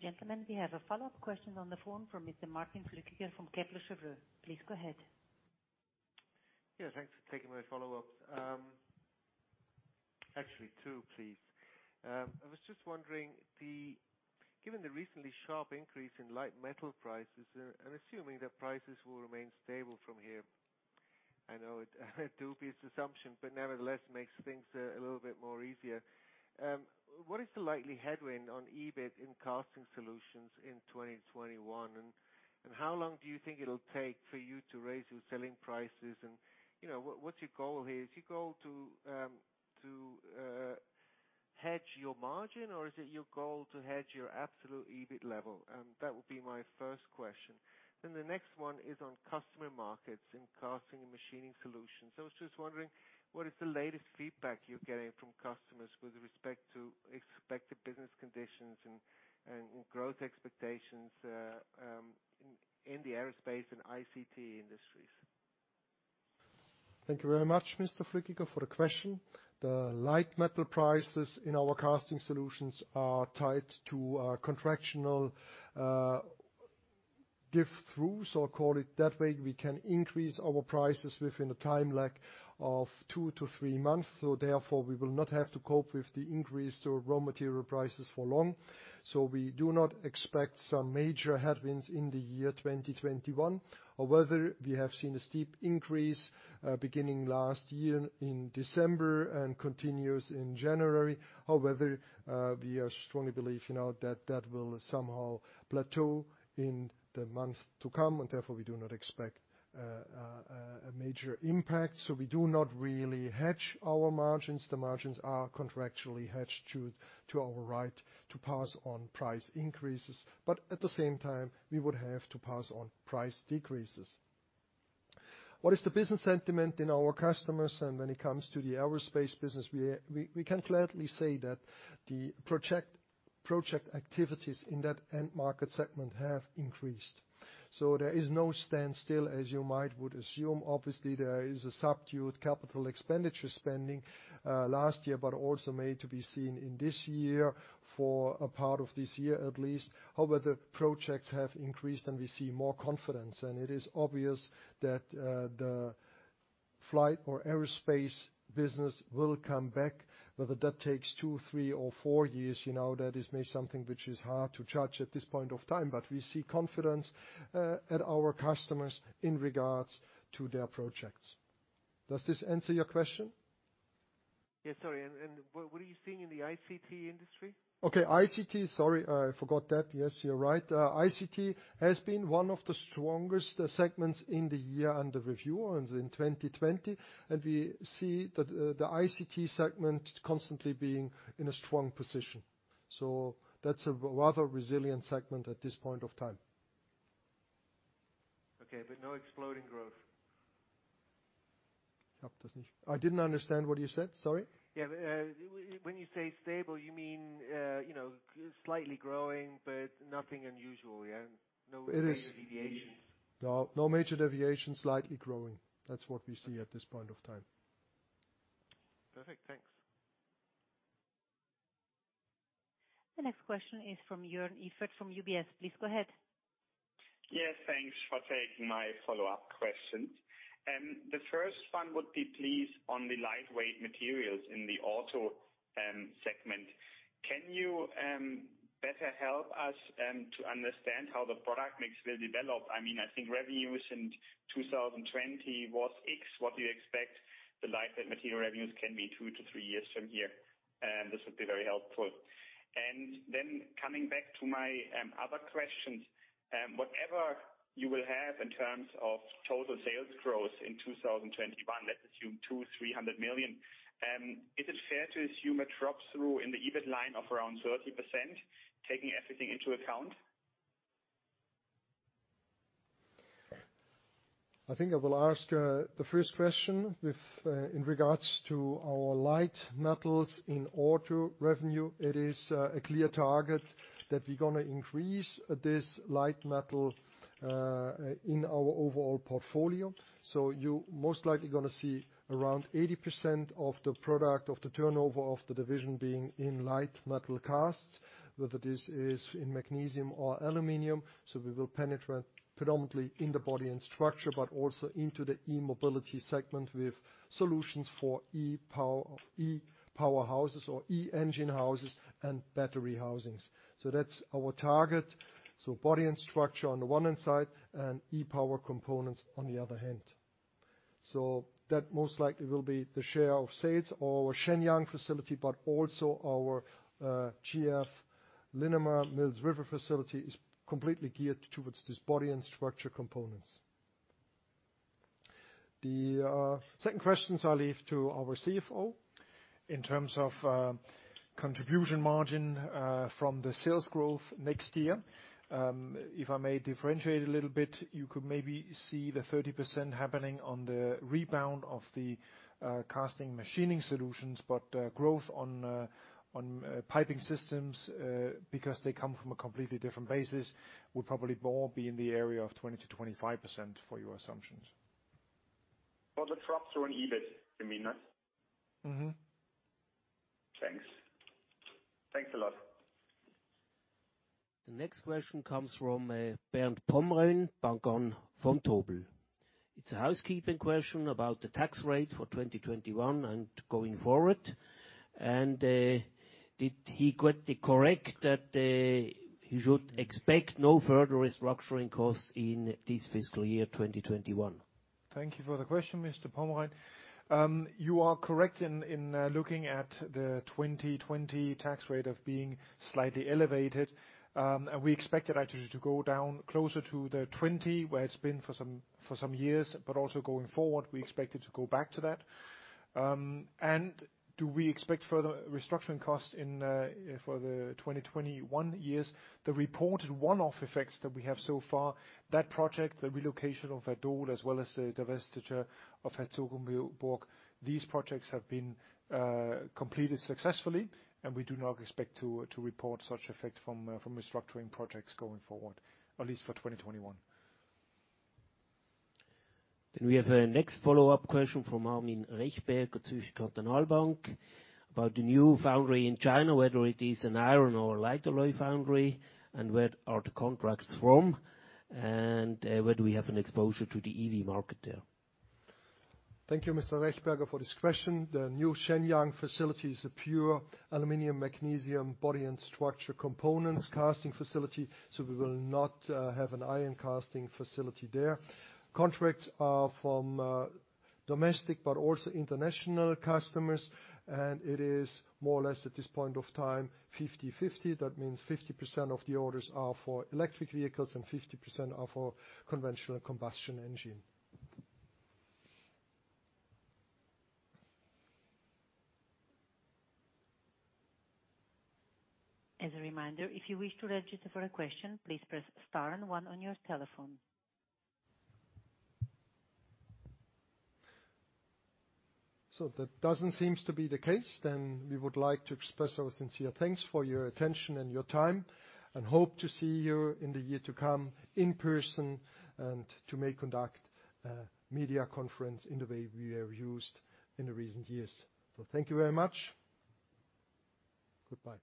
Gentlemen, we have a follow-up question on the phone from Mr. Martin Flückiger from Kepler Cheuvreux. Please go ahead. Yeah, thanks for taking my follow-up. Actually, two, please. I was just wondering, given the recently sharp increase in light metal prices and assuming that prices will remain stable from here, I know a dubious assumption, but nevertheless makes things a little bit more easier. What is the likely headwind on EBIT in Casting Solutions in 2021? How long do you think it'll take for you to raise your selling prices? What's your goal here? Is your goal to hedge your margin, or is it your goal to hedge your absolute EBIT level? That would be my first question. The next one is on customer markets in Casting and Machining Solutions. I was just wondering, what is the latest feedback you're getting from customers with respect to expected business conditions and growth expectations, in the aerospace and ICT industries? Thank you very much, Mr. Flückiger, for the question. The light metal prices in our Casting Solutions are tied to a contractual give through. Call it that way, we can increase our prices within a time lag of two to three months. Therefore, we will not have to cope with the increase of raw material prices for long. We do not expect some major headwinds in the year 2021. We have seen a steep increase, beginning last year in December and continues in January. We strongly believe that that will somehow plateau in the month to come, and therefore we do not expect a major impact. We do not really hedge our margins. The margins are contractually hedged to our right to pass on price increases, but at the same time, we would have to pass on price decreases. What is the business sentiment in our customers and when it comes to the aerospace business? We can gladly say that the project activities in that end market segment have increased. There is no standstill, as you might would assume. Obviously, there is a subdued capital expenditure spending last year, but also may to be seen in this year for a part of this year at least. However, projects have increased, and we see more confidence. It is obvious that the flight or aerospace business will come back, whether that takes two, three, or four years. That is something which is hard to judge at this point of time, but we see confidence at our customers in regards to their projects. Does this answer your question? Yes. Sorry. What are you seeing in the ICT industry? Okay, ICT. Sorry, I forgot that. Yes, you're right. ICT has been one of the strongest segments in the year under review in 2020. We see that the ICT segment constantly being in a strong position. That's a rather resilient segment at this point of time. Okay, no exploding growth? I didn't understand what you said. Sorry. Yeah. When you say stable, you mean slightly growing, but nothing unusual, yeah? No major deviations. No major deviations, slightly growing. That's what we see at this point of time. Perfect. Thanks. The next question is from Joern Iffert from UBS. Please go ahead. Yes, thanks for taking my follow-up questions. The first one would be please on the lightweight materials in the auto segment. Can you better help us to understand how the product mix will develop? I think revenues in 2020 was X. What do you expect the lightweight material revenues can be two to three years from here? This would be very helpful. Coming back to my other questions, whatever you will have in terms of total sales growth in 2021, let's assume 200 million-300 million. Is it fair to assume a drop through in the EBIT line of around 30%, taking everything into account? I think I will ask the first question with, in regards to our light metals in auto revenue. It is a clear target that we're going to increase this light metal in our overall portfolio. You're most likely going to see around 80% of the product of the turnover of the division being in light metal casts, whether this is in magnesium or aluminum. We will penetrate predominantly in the body and structure, but also into the e-mobility segment with solutions for e-powerhouses or e-engine houses and battery housings. That's our target. Body and structure on the one hand side, and e-power components on the other hand. That most likely will be the share of sales or Shenyang facility, but also our GF Linamar Mills River facility is completely geared towards this body and structure components. The second questions I leave to our CFO. In terms of contribution margin from the sales growth next year, if I may differentiate a little bit, you could maybe see the 30% happening on the rebound of the Casting Machining Solutions. Growth on Piping Systems, because they come from a completely different basis, will probably more be in the area of 20%-25% for your assumptions. For the drop through in EBIT, you mean, huh? Thanks. Thanks a lot. The next question comes from Bernd Pomrehn, Bank Vontobel. It's a housekeeping question about the tax rate for 2021 and going forward. Did he get it correct that he should expect no further restructuring costs in this fiscal year 2021? Thank you for the question, Mr. Pomrehn. You are correct in looking at the 2020 tax rate of being slightly elevated. We expect it actually to go down closer to the 20%, where it's been for some years, but also going forward, we expect it to go back to that. Do we expect further restructuring costs for the 2021 year? The reported one-off effects that we have so far, that project, the relocation of Werdohl, as well as the divestiture of Herzogenburg, these projects have been completed successfully, and we do not expect to report such effect from restructuring projects going forward, at least for 2021. We have a next follow-up question from Armin Rechberger, Zürcher Kantonalbank, about the new foundry in China, whether it is an iron or a light alloy foundry, and where are the contracts from, and whether we have an exposure to the EV market there? Thank you, Mr. Rechberger, for this question. The new Shenyang facility is a pure aluminum magnesium body and structure components casting facility. We will not have an iron casting facility there. Contracts are from domestic, but also international customers, and it is more or less at this point of time, 50/50. That means 50% of the orders are for electric vehicles and 50% are for conventional combustion engine. As a reminder, if you wish to register for a question, please press star and one on your telephone. That doesn't seem to be the case, then we would like to express our sincere thanks for your attention and your time, and hope to see you in the year to come in person and to may conduct a media conference in the way we have used in the recent years. Thank you very much. Goodbye.